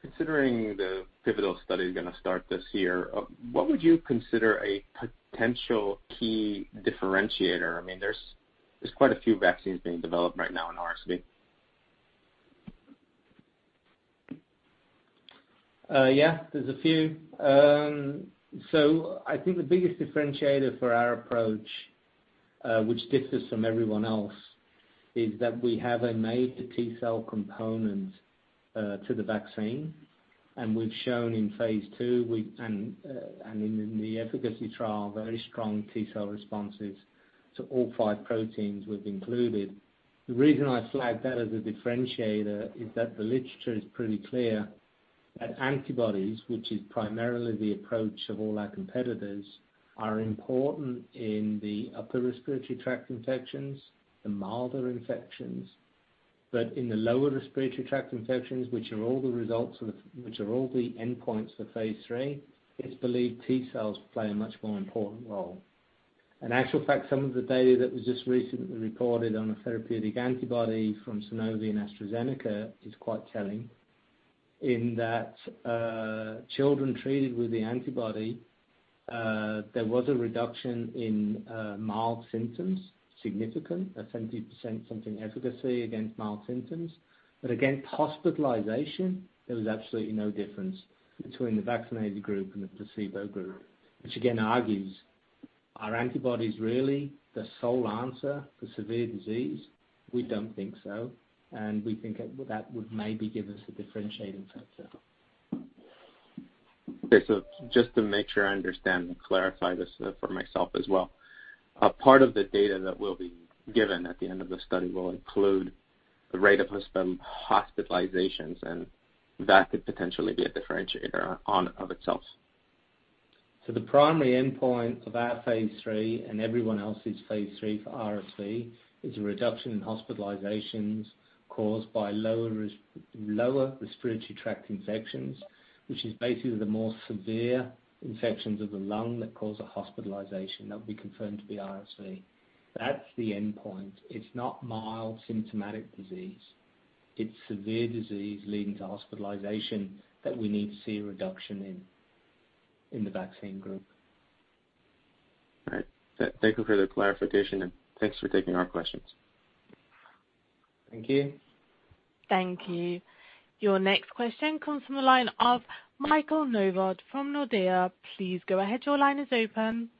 Considering the pivotal study is gonna start this year, what would you consider a potential key differentiator? I mean, there's quite a few vaccines being developed right now in RSV. Yeah. There's a few. So I think the biggest differentiator for our approach, which differs from everyone else, is that we have an MVA T-cell component to the vaccine. We've shown in phase II and in the efficacy trial, very strong T-cell responses to all five proteins we've included. The reason I flagged that as a differentiator is that the literature is pretty clear that antibodies, which is primarily the approach of all our competitors, are important in the upper respiratory tract infections, the milder infections. In the lower respiratory tract infections, which are the endpoints for phase III, it's believed T-cells play a much more important role. In actual fact, some of the data that was just recently reported on a therapeutic antibody from Sanofi and AstraZeneca is quite telling in that, children treated with the antibody, there was a reduction in, mild symptoms, significant, a 70% something efficacy against mild symptoms. But against hospitalization, there was absolutely no difference between the vaccinated group and the placebo group, which again argues, are antibodies really the sole answer for severe disease? We don't think so, and we think that would maybe give us a differentiating factor. Okay. Just to make sure I understand and clarify this for myself as well, a part of the data that will be given at the end of the study will include the rate of hospitalizations, and that could potentially be a differentiator of itself. The primary endpoint of our phase III and everyone else's phase III for RSV is a reduction in hospitalizations caused by lower respiratory tract infections, which is basically the more severe infections of the lung that cause a hospitalization that would be confirmed to be RSV. That's the endpoint. It's not mild symptomatic disease. It's severe disease leading to hospitalization that we need to see a reduction in the vaccine group. All right. Thank you for the clarification, and thanks for taking our questions. Thank you. Thank you. Your next question comes from the line of Michael Novod from Nordea. Please go ahead. Your line is open.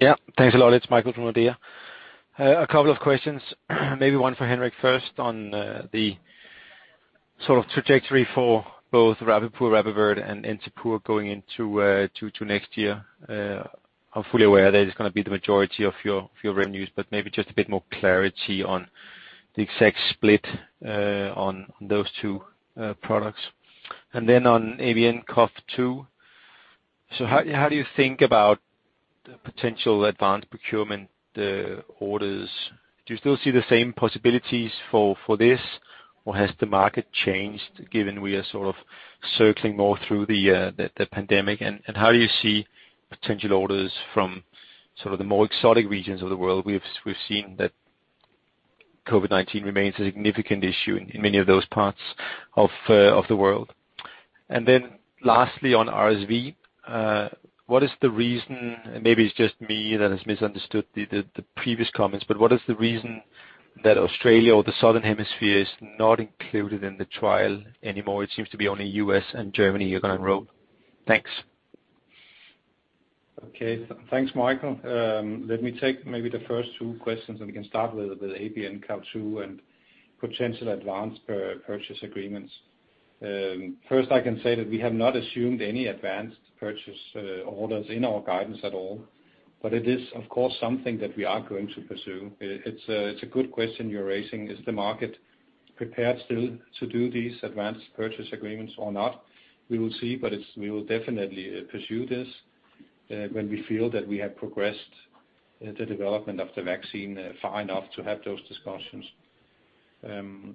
Yeah. Thanks a lot. It's Michael from Nordea. A couple of questions, maybe one for Henrik first on the sort of trajectory for both RabAvert and Encepur going into next year. I'm fully aware that it's gonna be the majority of your revenues, but maybe just a bit more clarity on the exact split on those two products. Then on ABNCoV2, so how do you think about the potential advanced procurement orders? Do you still see the same possibilities for this, or has the market changed given we are sort of circling more through the pandemic? How do you see potential orders from sort of the more exotic regions of the world? We've seen that COVID-19 remains a significant issue in many of those parts of the world. Then lastly, on RSV, what is the reason, maybe it's just me that has misunderstood the previous comments, but what is the reason that Australia or the Southern Hemisphere is not included in the trial anymore? It seems to be only U.S. and Germany you're gonna enroll. Thanks. Thanks, Michael. Let me take maybe the first two questions, and we can start with ABNCoV2 and potential advanced purchase agreements. First, I can say that we have not assumed any advanced purchase orders in our guidance at all, but it is, of course, something that we are going to pursue. It's a good question you're raising. Is the market prepared still to do these advanced purchase agreements or not? We will see, but we will definitely pursue this when we feel that we have progressed the development of the vaccine far enough to have those discussions. On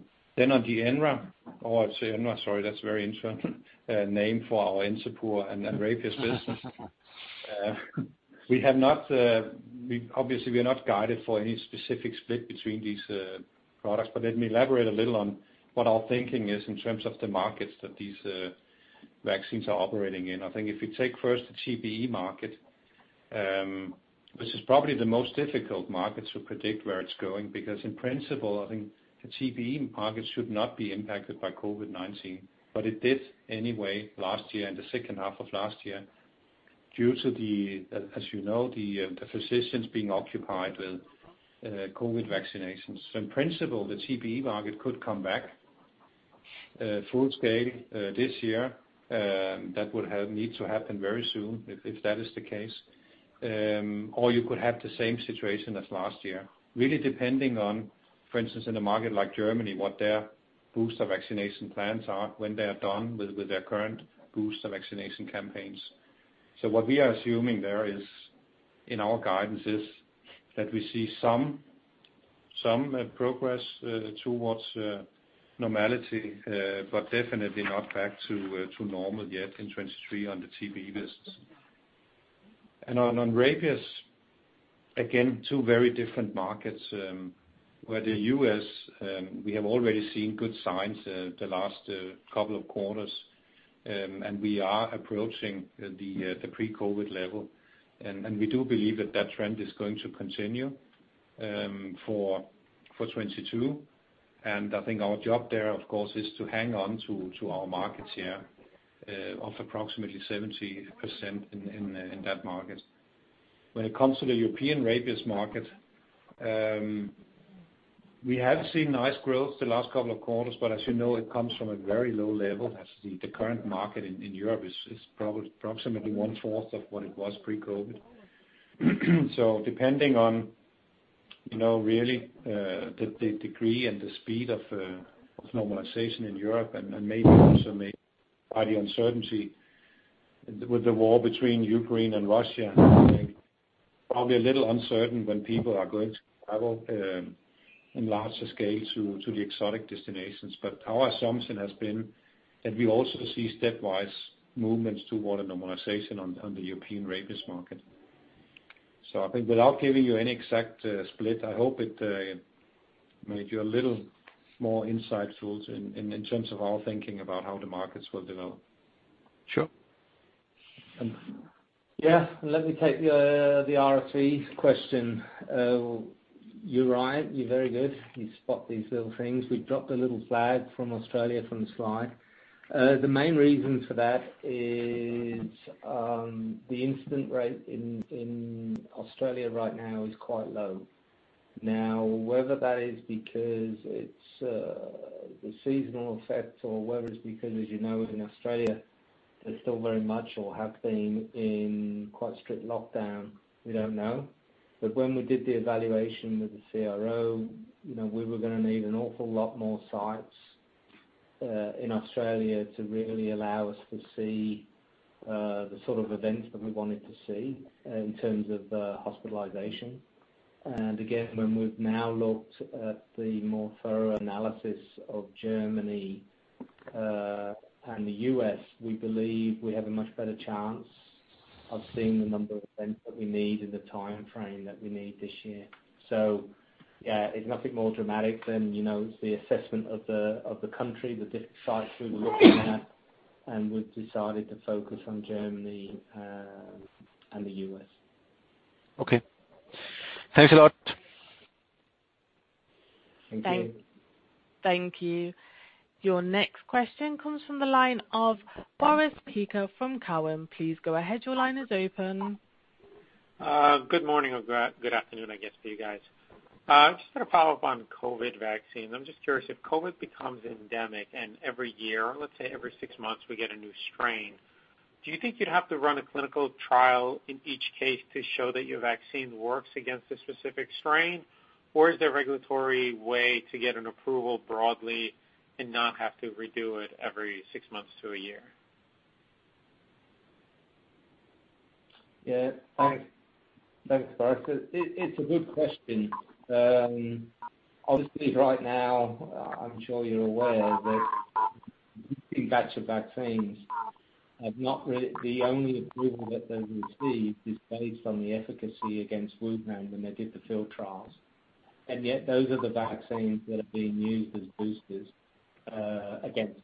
the ENRA, or I'd say ENRA, sorry, that's very interesting name for our Encepur and RabAvert business. We obviously are not guided for any specific split between these products, but let me elaborate a little on what our thinking is in terms of the markets that these vaccines are operating in. I think if you take first the TBE market, this is probably the most difficult market to predict where it's going because in principle, I think the TBE market should not be impacted by COVID-19, but it did anyway last year, in the second half of last year, due to, as you know, the physicians being occupied with COVID vaccinations. In principle, the TBE market could come back full scale this year. That would need to happen very soon if that is the case. or you could have the same situation as last year, really depending on, for instance, in a market like Germany, what their booster vaccination plans are, when they are done with their current booster vaccination campaigns. What we are assuming there, in our guidance, is that we see some progress towards normality, but definitely not back to normal yet in 2023 on the TBE visits. On rabies, again, two very different markets, where the U.S., we have already seen good signs, the last couple of quarters. We are approaching the pre-COVID level. We do believe that that trend is going to continue for 2022. I think our job there, of course, is to hang on to our market share of approximately 70% in that market. When it comes to the European rabies market, we have seen nice growth the last couple of quarters, but as you know, it comes from a very low level as the current market in Europe is probably approximately one-fourth of what it was pre-COVID. Depending on, you know, really, the degree and the speed of normalization in Europe and maybe also by the uncertainty with the war between Ukraine and Russia, I think probably a little uncertain when people are going to travel in larger scale to the exotic destinations. Our assumption has been that we also see stepwise movements toward a normalization on the European rabies market. I think without giving you any exact split, I hope it made you a little more insightful in terms of our thinking about how the markets will develop. Sure. Yeah. Let me take the RSV question. You're right. You're very good. You spot these little things. We dropped a little flag from Australia from the slide. The main reason for that is the incidence rate in Australia right now is quite low. Now, whether that is because it's the seasonal effect or whether it's because, as you know, in Australia, they're still very much or have been in quite strict lockdown, we don't know. But when we did the evaluation with the CRO, you know, we were gonna need an awful lot more sites in Australia to really allow us to see the sort of events that we wanted to see in terms of hospitalization. Again, when we've now looked at the more thorough analysis of Germany and the U.S., we believe we have a much better chance of seeing the number of events that we need in the timeframe that we need this year. Yeah, it's nothing more dramatic than, you know, the assessment of the country, the different sites we were looking at, and we've decided to focus on Germany and the U.S. Okay. Thanks a lot. Thank you. Thank you. Thank you. Your next question comes from the line of Boris Peaker from Cowen. Please go ahead. Your line is open. Good morning or good afternoon, I guess, to you guys. I'm just gonna follow up on COVID vaccines. I'm just curious if COVID becomes endemic, and every year, let's say every six months, we get a new strain. Do you think you'd have to run a clinical trial in each case to show that your vaccine works against a specific strain? Or is there a regulatory way to get an approval broadly and not have to redo it every six months to a year? Thanks, Boris. It's a good question. Obviously right now, I'm sure you're aware that the only approval that they've received is based on the efficacy against Wuhan when they did the field trials. Yet those are the vaccines that are being used as boosters against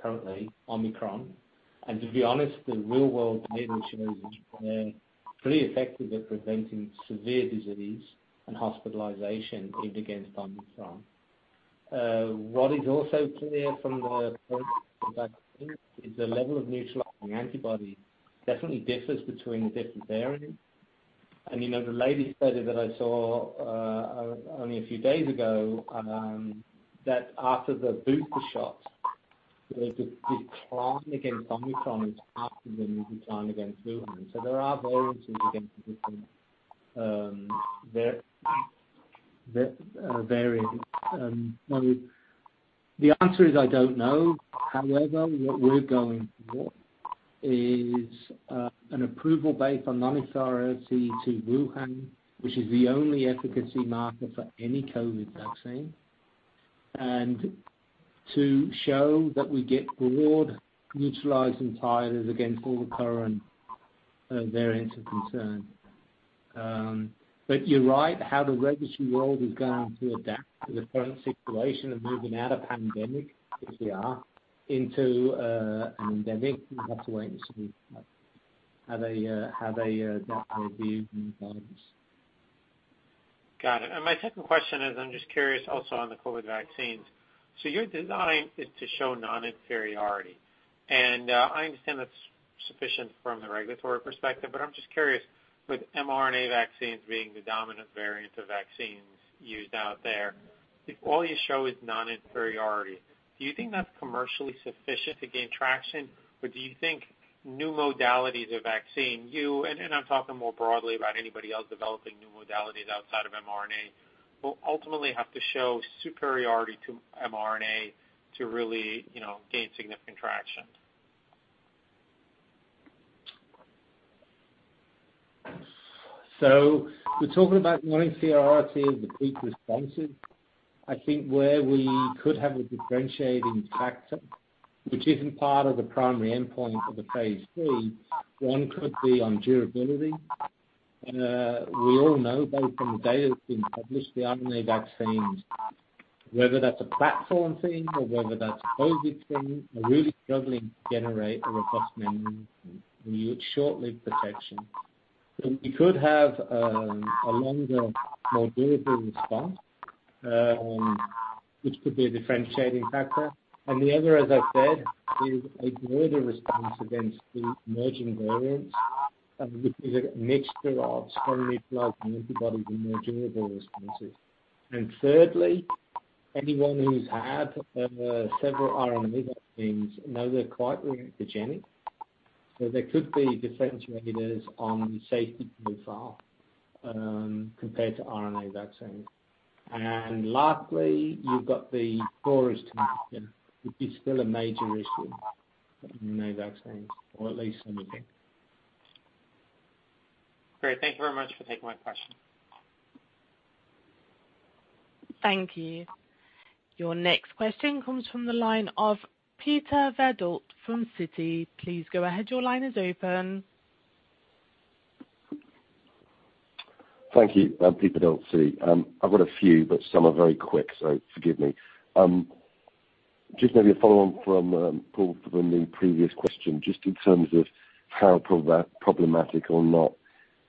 current Omicron. To be honest, the real-world data shows they're pretty effective at preventing severe disease and hospitalization, even against Omicron. What is also clear from the vaccine is the level of neutralizing antibodies definitely differs between the different variants. You know, the latest study that I saw only a few days ago that after the booster shot, the decline against Omicron is half of the decline against Wuhan. There are variances against the different variants. The answer is I don't know. However, what we're going for is an approval based on non-inferiority to Wuhan, which is the only efficacy marker for any COVID vaccine, and to show that we get broad neutralizing titers against all the current variants of concern. You're right. How the regulatory world is going to adapt to the current situation and moving out of pandemic, which we are, into an endemic. We'll have to wait and see how they view new variants. Got it. My second question is, I'm just curious also on the COVID vaccines. Your design is to show non-inferiority, and I understand that's sufficient from the regulatory perspective, but I'm just curious, with mRNA vaccines being the dominant variant of vaccines used out there, if all you show is non-inferiority, do you think that's commercially sufficient to gain traction? Or do you think new modalities of vaccine, and I'm talking more broadly about anybody else developing new modalities outside of mRNA, will ultimately have to show superiority to mRNA to really, you know, gain significant traction? We're talking about non-inferiority of the peak responses. I think where we could have a differentiating factor, which isn't part of the primary endpoint of the phase III, one could be on durability. We all know both from the data that's been published, the RNA vaccines, whether that's a platform thing or whether that's a COVID thing, are really struggling to generate a robust immune response. We get short-lived protection. We could have a longer more durable response, which could be a differentiating factor. And the other, as I said, is a broader response against the emerging variants, which is a mixture of strongly applied antibodies emerging with all responses. And thirdly, anyone who's had several RNA vaccines know they're quite reactogenic. There could be differentiators on safety profile, compared to RNA vaccines. Lastly, you've got the storage temperature, which is still a major issue in RNA vaccines, or at least some of them. Great. Thank you very much for taking my question. Thank you. Your next question comes from the line of Peter Verdult from Citi. Please go ahead. Your line is open. Thank you. Peter Verdult, Citi. I've got a few, but some are very quick, so forgive me. Just maybe a follow on from Paul from the previous question, just in terms of how problematic or not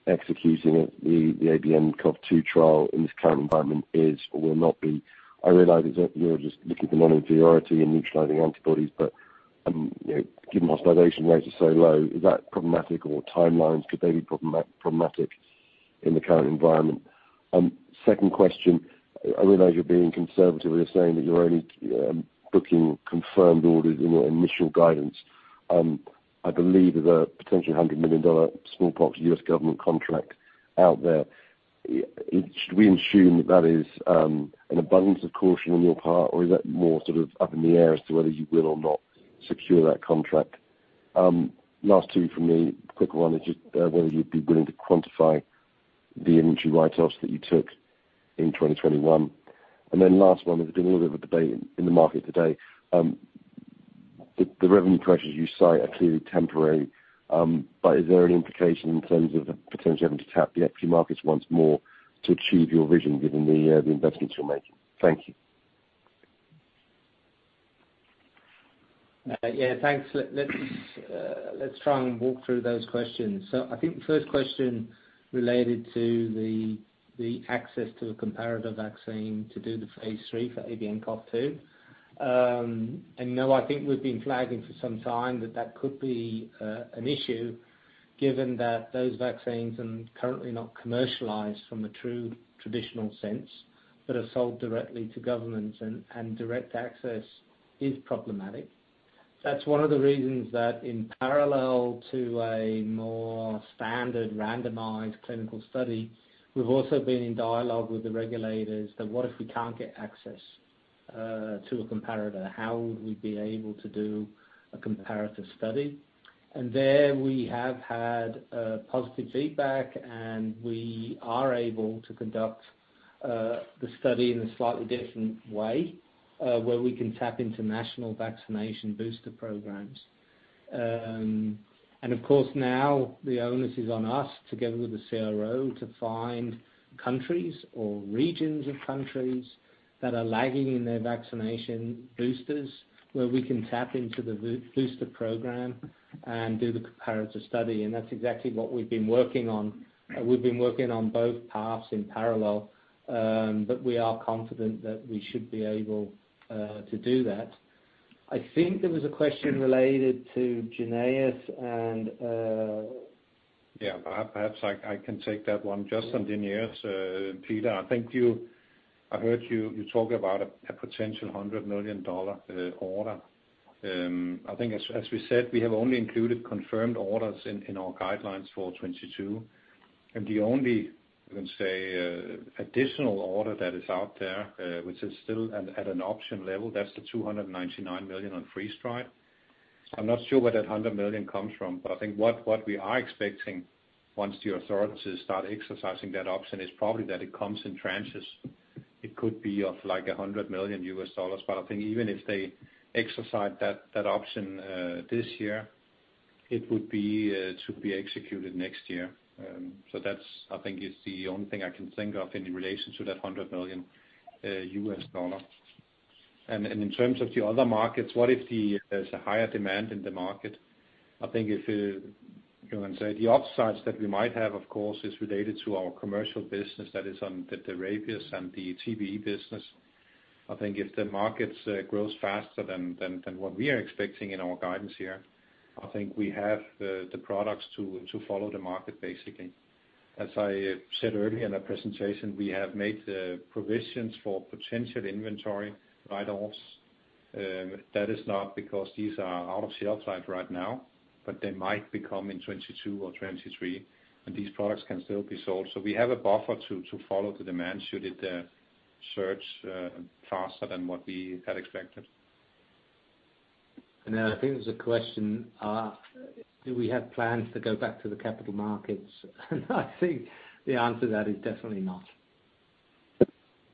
executing the ABNCoV2 trial in this current environment is or will not be. I realize that you're just looking for non-inferiority in neutralizing antibodies, but you know, given hospitalization rates are so low, is that problematic or timelines, could they be problematic in the current environment? Second question. I realize you're being conservative. You're saying that you're only booking confirmed orders in your initial guidance. I believe there's a potentially $100 million smallpox US government contract out there. Should we assume that is an abundance of caution on your part, or is that more sort of up in the air as to whether you will or not secure that contract? Last two from me. Quick one is just whether you'd be willing to quantify the inventory write-offs that you took in 2021. Then last one, there's been a little bit of a debate in the market today. The revenue pressures you cite are clearly temporary, but is there any implication in terms of potentially having to tap the equity markets once more to achieve your vision given the investments you're making? Thank you. Yeah, thanks. Let's try and walk through those questions. I think the first question related to the access to a comparative vaccine to do the phase III for ABNCoV2. No, I think we've been flagging for some time that could be an issue given that those vaccines are currently not commercialized in a true traditional sense, but are sold directly to governments and direct access is problematic. That's one of the reasons that in parallel to a more standard randomized clinical study, we've also been in dialogue with the regulators that what if we can't get access to a comparator, how would we be able to do a comparative study? There we have had positive feedback, and we are able to conduct the study in a slightly different way, where we can tap into national vaccination booster programs. Of course, now the onus is on us together with the CRO to find countries or regions of countries that are lagging in their vaccination boosters where we can tap into the booster program and do the comparative study. That's exactly what we've been working on. We've been working on both paths in parallel. We are confident that we should be able to do that. I think there was a question related to JYNNEOS and... Perhaps I can take that one. Just on JYNNEOS, Peter, I think I heard you talk about a potential $100 million order. I think as we said, we have only included confirmed orders in our guidelines for 2022. The only, let's say, additional order that is out there, which is still at an option level, that's the $299 million on freeze-dried. I'm not sure where that $100 million comes from, but I think what we are expecting once the authorities start exercising that option is probably that it comes in tranches. It could be of like a $100 million. I think even if they exercise that option this year, it would be to be executed next year. That's, I think it's the only thing I can think of in relation to that $100 million. In terms of the other markets, what if there's a higher demand in the market? I think if you go and say the upsides that we might have, of course, is related to our commercial business that is on the rabies and the TBE business. I think if the markets grows faster than what we are expecting in our guidance here, I think we have the products to follow the market, basically. As I said earlier in our presentation, we have made provisions for potential inventory write-offs. That is not because these are out of shelf life right now, but they might become in 2022 or 2023, and these products can still be sold. We have a buffer to follow the demand should it surge faster than what we had expected. Then I think there's a question, do we have plans to go back to the capital markets? I think the answer to that is definitely not.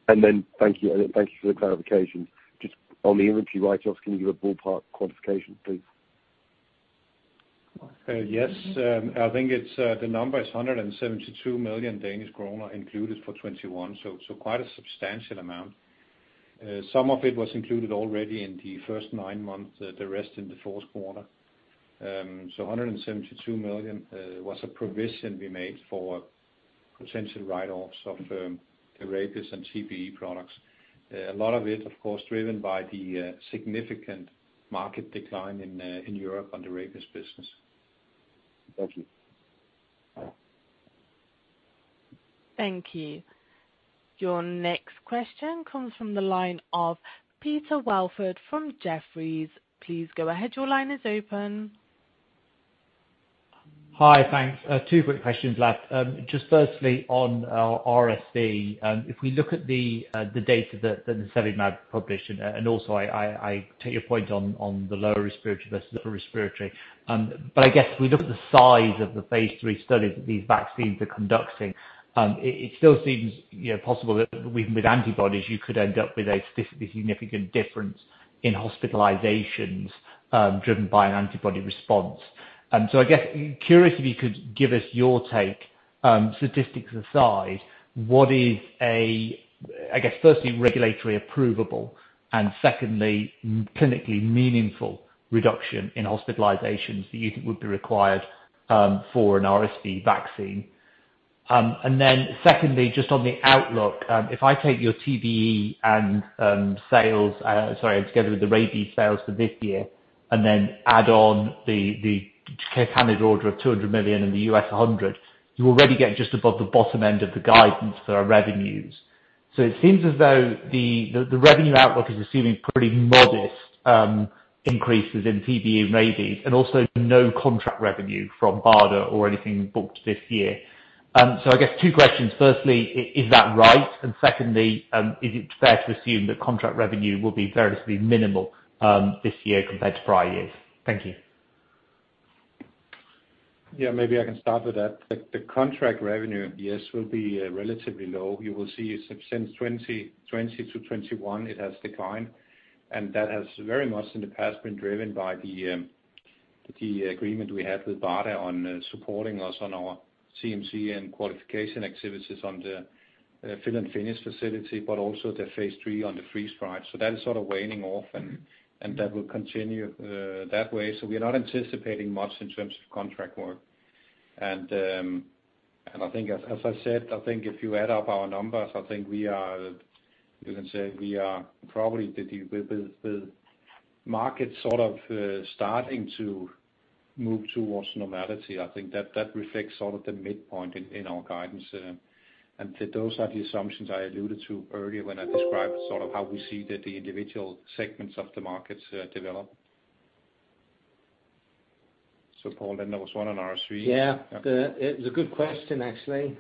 Thank you. Thank you for the clarification. Just on the inventory write-offs, can you give a ballpark quantification, please? Yes. I think it's the number is 172 million included for 2021, so quite a substantial amount. Some of it was included already in the first nine months, the rest in the fourth quarter. 172 million was a provision we made for potential write-offs of the rabies and TBE products. A lot of it, of course, driven by the significant market decline in Europe on the rabies business. Thank you. Thank you. Your next question comes from the line of Peter Welford from Jefferies. Please go ahead. Your line is open. Hi. Thanks. Two quick questions left. Just firstly on RSV, if we look at the data that nirsevimab published, and also I take your point on the lower respiratory versus upper respiratory. I guess if we look at the size of the phase III studies that these vaccines are conducting, it still seems, you know, possible that even with antibodies, you could end up with a statistically significant difference in hospitalizations, driven by an antibody response. I guess, curiously could give us your take, statistics aside, what is a, I guess, firstly regulatory approvable, and secondly, clinically meaningful reduction in hospitalizations that you think would be required, for an RSV vaccine? Secondly, just on the outlook, if I take your TBE and sales, sorry, together with the rabies sales for this year, and then add on the contract order of 200 million and the US $100 million, you already get just above the bottom end of the guidance for our revenues. It seems as though the revenue outlook is assuming pretty modest increases in TBE and rabies, and also no contract revenue from BARDA or anything booked this year. I guess two questions. Firstly, is that right? Secondly, is it fair to assume that contract revenue will be fairly minimal this year compared to prior years? Thank you. Yeah, maybe I can start with that. The contract revenue, yes, will be relatively low. You will see since 2020 to 2021, it has declined, and that has very much in the past been driven by the agreement we had with BARDA on supporting us on our CMC and qualification activities on the fill and finish facility, but also the phase III on the freeze-dried. That is sort of waning off, and that will continue that way. We're not anticipating much in terms of contract work. I think as I said, I think if you add up our numbers, I think we are, you can say we are probably the dip with the market sort of starting to move towards normality. I think that reflects sort of the midpoint in our guidance. Those are the assumptions I alluded to earlier when I described sort of how we see that the individual segments of the markets develop. Paul, then there was one on RSV. Yeah. It was a good question, actually.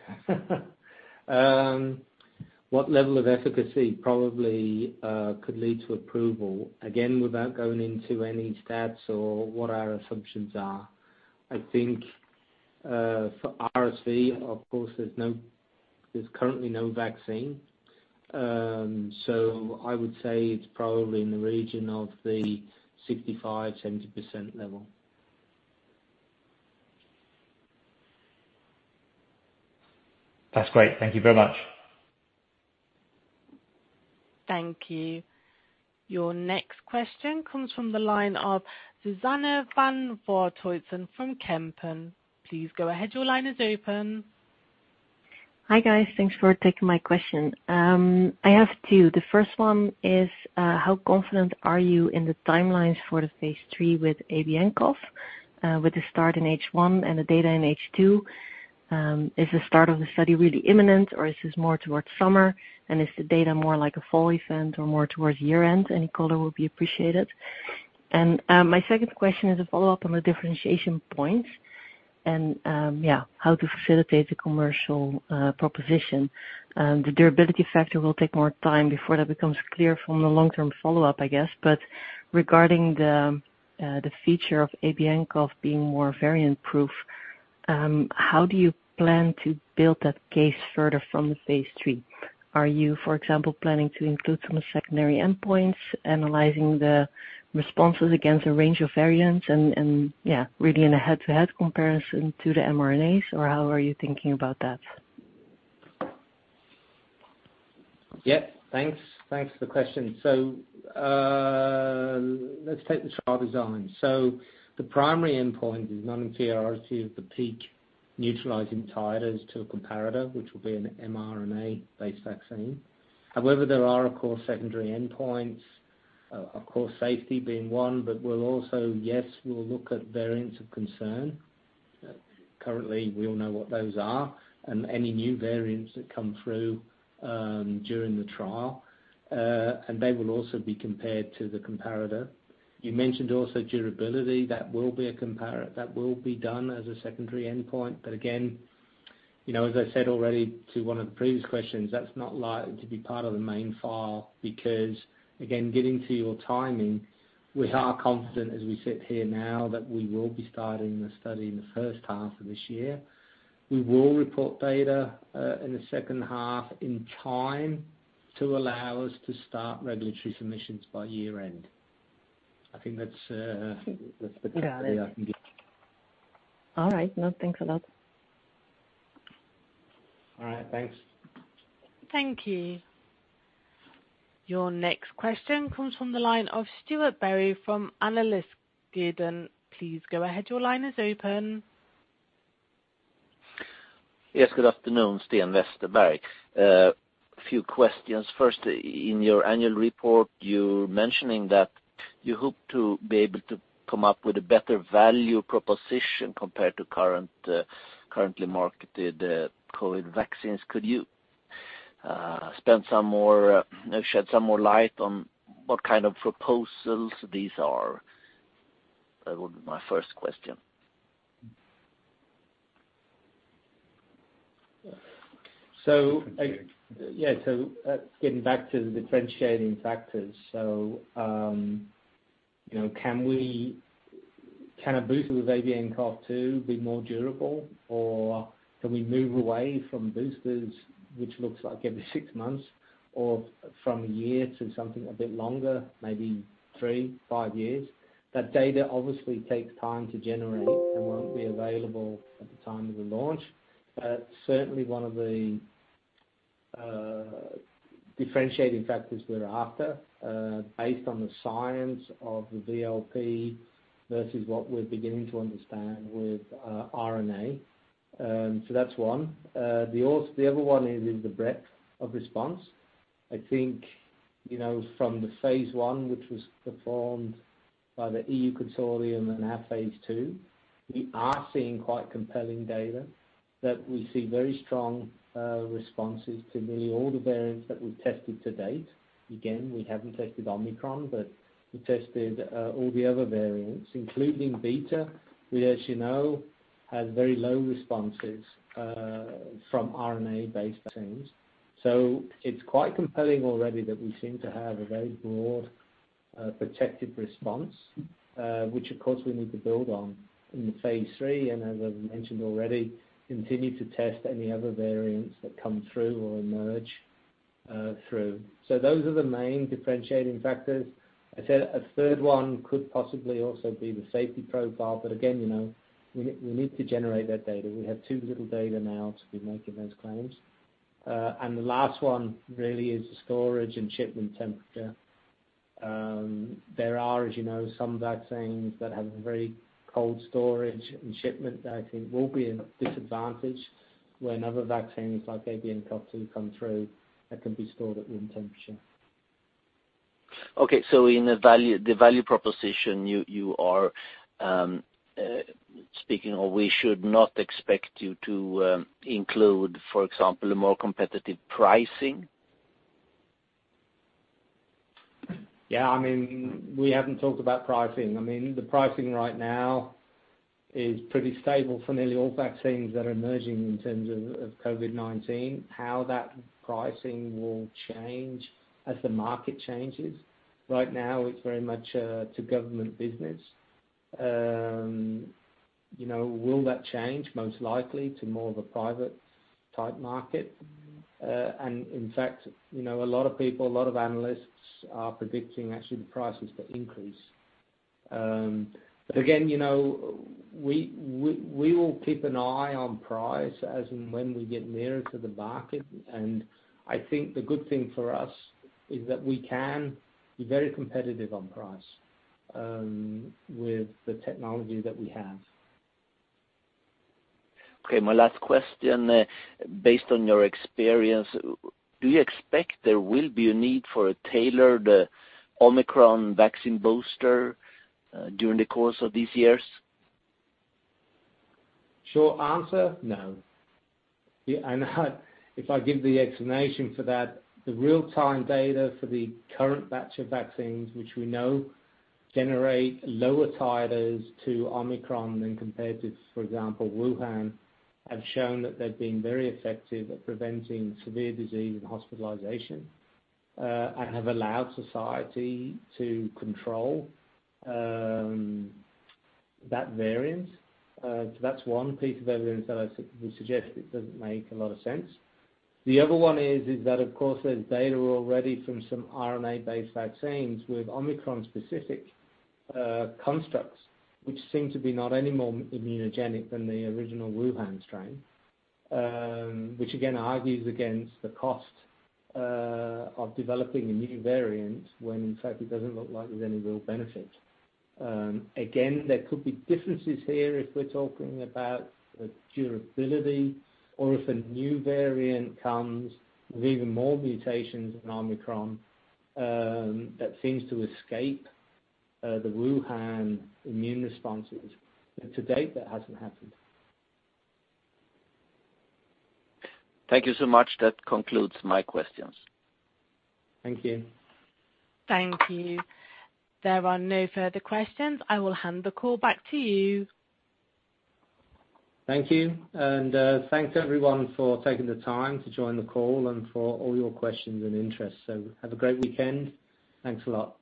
What level of efficacy probably could lead to approval? Again, without going into any stats or what our assumptions are, I think, for RSV, of course, there's currently no vaccine. I would say it's probably in the region of the 65%-70% level. That's great. Thank you very much. Thank you. Your next question comes from the line of Suzanne van Voorthuizen from Kempen. Please go ahead. Your line is open. Hi, guys. Thanks for taking my question. I have two. The first one is, how confident are you in the timelines for the phase III with ABNCoV2, with the start in H1 and the data in H2? Is the start of the study really imminent, or is this more towards summer? And is the data more like a fall event or more towards year-end? Any color will be appreciated. My second question is a follow-up on the differentiation points and, yeah, how to facilitate the commercial proposition. The durability factor will take more time before that becomes clear from the long-term follow-up, I guess. But regarding the feature of ABNCoV2 being more variant proof, how do you plan to build that case further from the phase III? Are you, for example, planning to include some secondary endpoints, analyzing the responses against a range of variants and yeah, really in a head-to-head comparison to the mRNAs? Or how are you thinking about that? Thanks for the question. Let's take the trial design. The primary endpoint is non-inferiority of the peak neutralizing titers to a comparator, which will be an mRNA-based vaccine. However, there are, of course, secondary endpoints, of course, safety being one, but we'll also look at variants of concern. Currently, we all know what those are, and any new variants that come through during the trial, and they will also be compared to the comparator. You mentioned also durability. That will be done as a secondary endpoint. Again, you know, as I said already to one of the previous questions, that's not likely to be part of the main file because, again, getting to your timing, we are confident as we sit here now that we will be starting the study in the first half of this year. We will report data in the second half in time to allow us to start regulatory submissions by year-end. I think that's the best update I can give. All right. No, thanks a lot. All right. Thanks. Thank you. Your next question comes from the line of Sten Westerberg from Analysguiden. Please go ahead. Your line is open. Yes, good afternoon, Sten Westerberg. A few questions. First, in your annual report, you're mentioning that you hope to be able to come up with a better value proposition compared to current, currently marketed, COVID vaccines. Could you spend some more, you know, shed some more light on what kind of proposals these are? That would be my first question. Getting back to the differentiating factors. You know, can a booster with ABNCoV2 be more durable, or can we move away from boosters which looks like every six months or from a year to something a bit longer, maybe three, five years? That data obviously takes time to generate and won't be available at the time of the launch. Certainly one of the differentiating factors we're after, based on the science of the VLP versus what we're beginning to understand with RNA. That's one. The other one is the breadth of response. I think, you know, from the phase I, which was performed by the PREVENT-nCoV consortium and our phase II, we are seeing quite compelling data that we see very strong responses to nearly all the variants that we've tested to date. Again, we haven't tested Omicron, but we tested all the other variants, including Beta, which, as you know, has very low responses from RNA-based vaccines. It's quite compelling already that we seem to have a very broad protective response, which of course we need to build on in the phase III, and as I mentioned already, continue to test any other variants that come through or emerge through. Those are the main differentiating factors. I'd say a third one could possibly also be the safety profile. Again, you know, we need to generate that data. We have too little data now to be making those claims. The last one really is the storage and shipment temperature. There are, as you know, some vaccines that have a very cold storage and shipment that I think will be a disadvantage when other vaccines like ABNCoV2 come through that can be stored at room temperature. Okay. In the value proposition you are speaking or we should not expect you to include, for example, a more competitive pricing? Yeah. I mean, we haven't talked about pricing. I mean, the pricing right now is pretty stable for nearly all vaccines that are emerging in terms of COVID-19, how that pricing will change as the market changes. Right now, it's very much to government business. You know, will that change most likely to more of a private type market? In fact, you know, a lot of people, a lot of analysts are predicting actually the prices to increase. Again, you know, we will keep an eye on price as and when we get nearer to the market. I think the good thing for us is that we can be very competitive on price with the technology that we have. Okay. My last question. Based on your experience, do you expect there will be a need for a tailored Omicron vaccine booster, during the course of these years? Short answer, no. Yeah, and if I give the explanation for that, the real-time data for the current batch of vaccines, which we know generate lower titers to Omicron than compared to, for example, Wuhan, have shown that they've been very effective at preventing severe disease and hospitalization, and have allowed society to control that variant. So that's one piece of evidence that would suggest it doesn't make a lot of sense. The other one is that of course, there's data already from some RNA-based vaccines with Omicron-specific constructs, which seem to be not any more immunogenic than the original Wuhan strain, which again argues against the cost of developing a new variant when in fact it doesn't look like there's any real benefit. Again, there could be differences here if we're talking about durability or if a new variant comes with even more mutations than Omicron that seems to escape the Wuhan immune responses. To date, that hasn't happened. Thank you so much. That concludes my questions. Thank you. Thank you. There are no further questions. I will hand the call back to you. Thank you. Thanks everyone for taking the time to join the call and for all your questions and interest. Have a great weekend. Thanks a lot.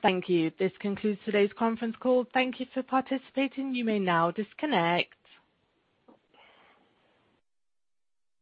Thank you. This concludes today's conference call. Thank you for participating. You may now disconnect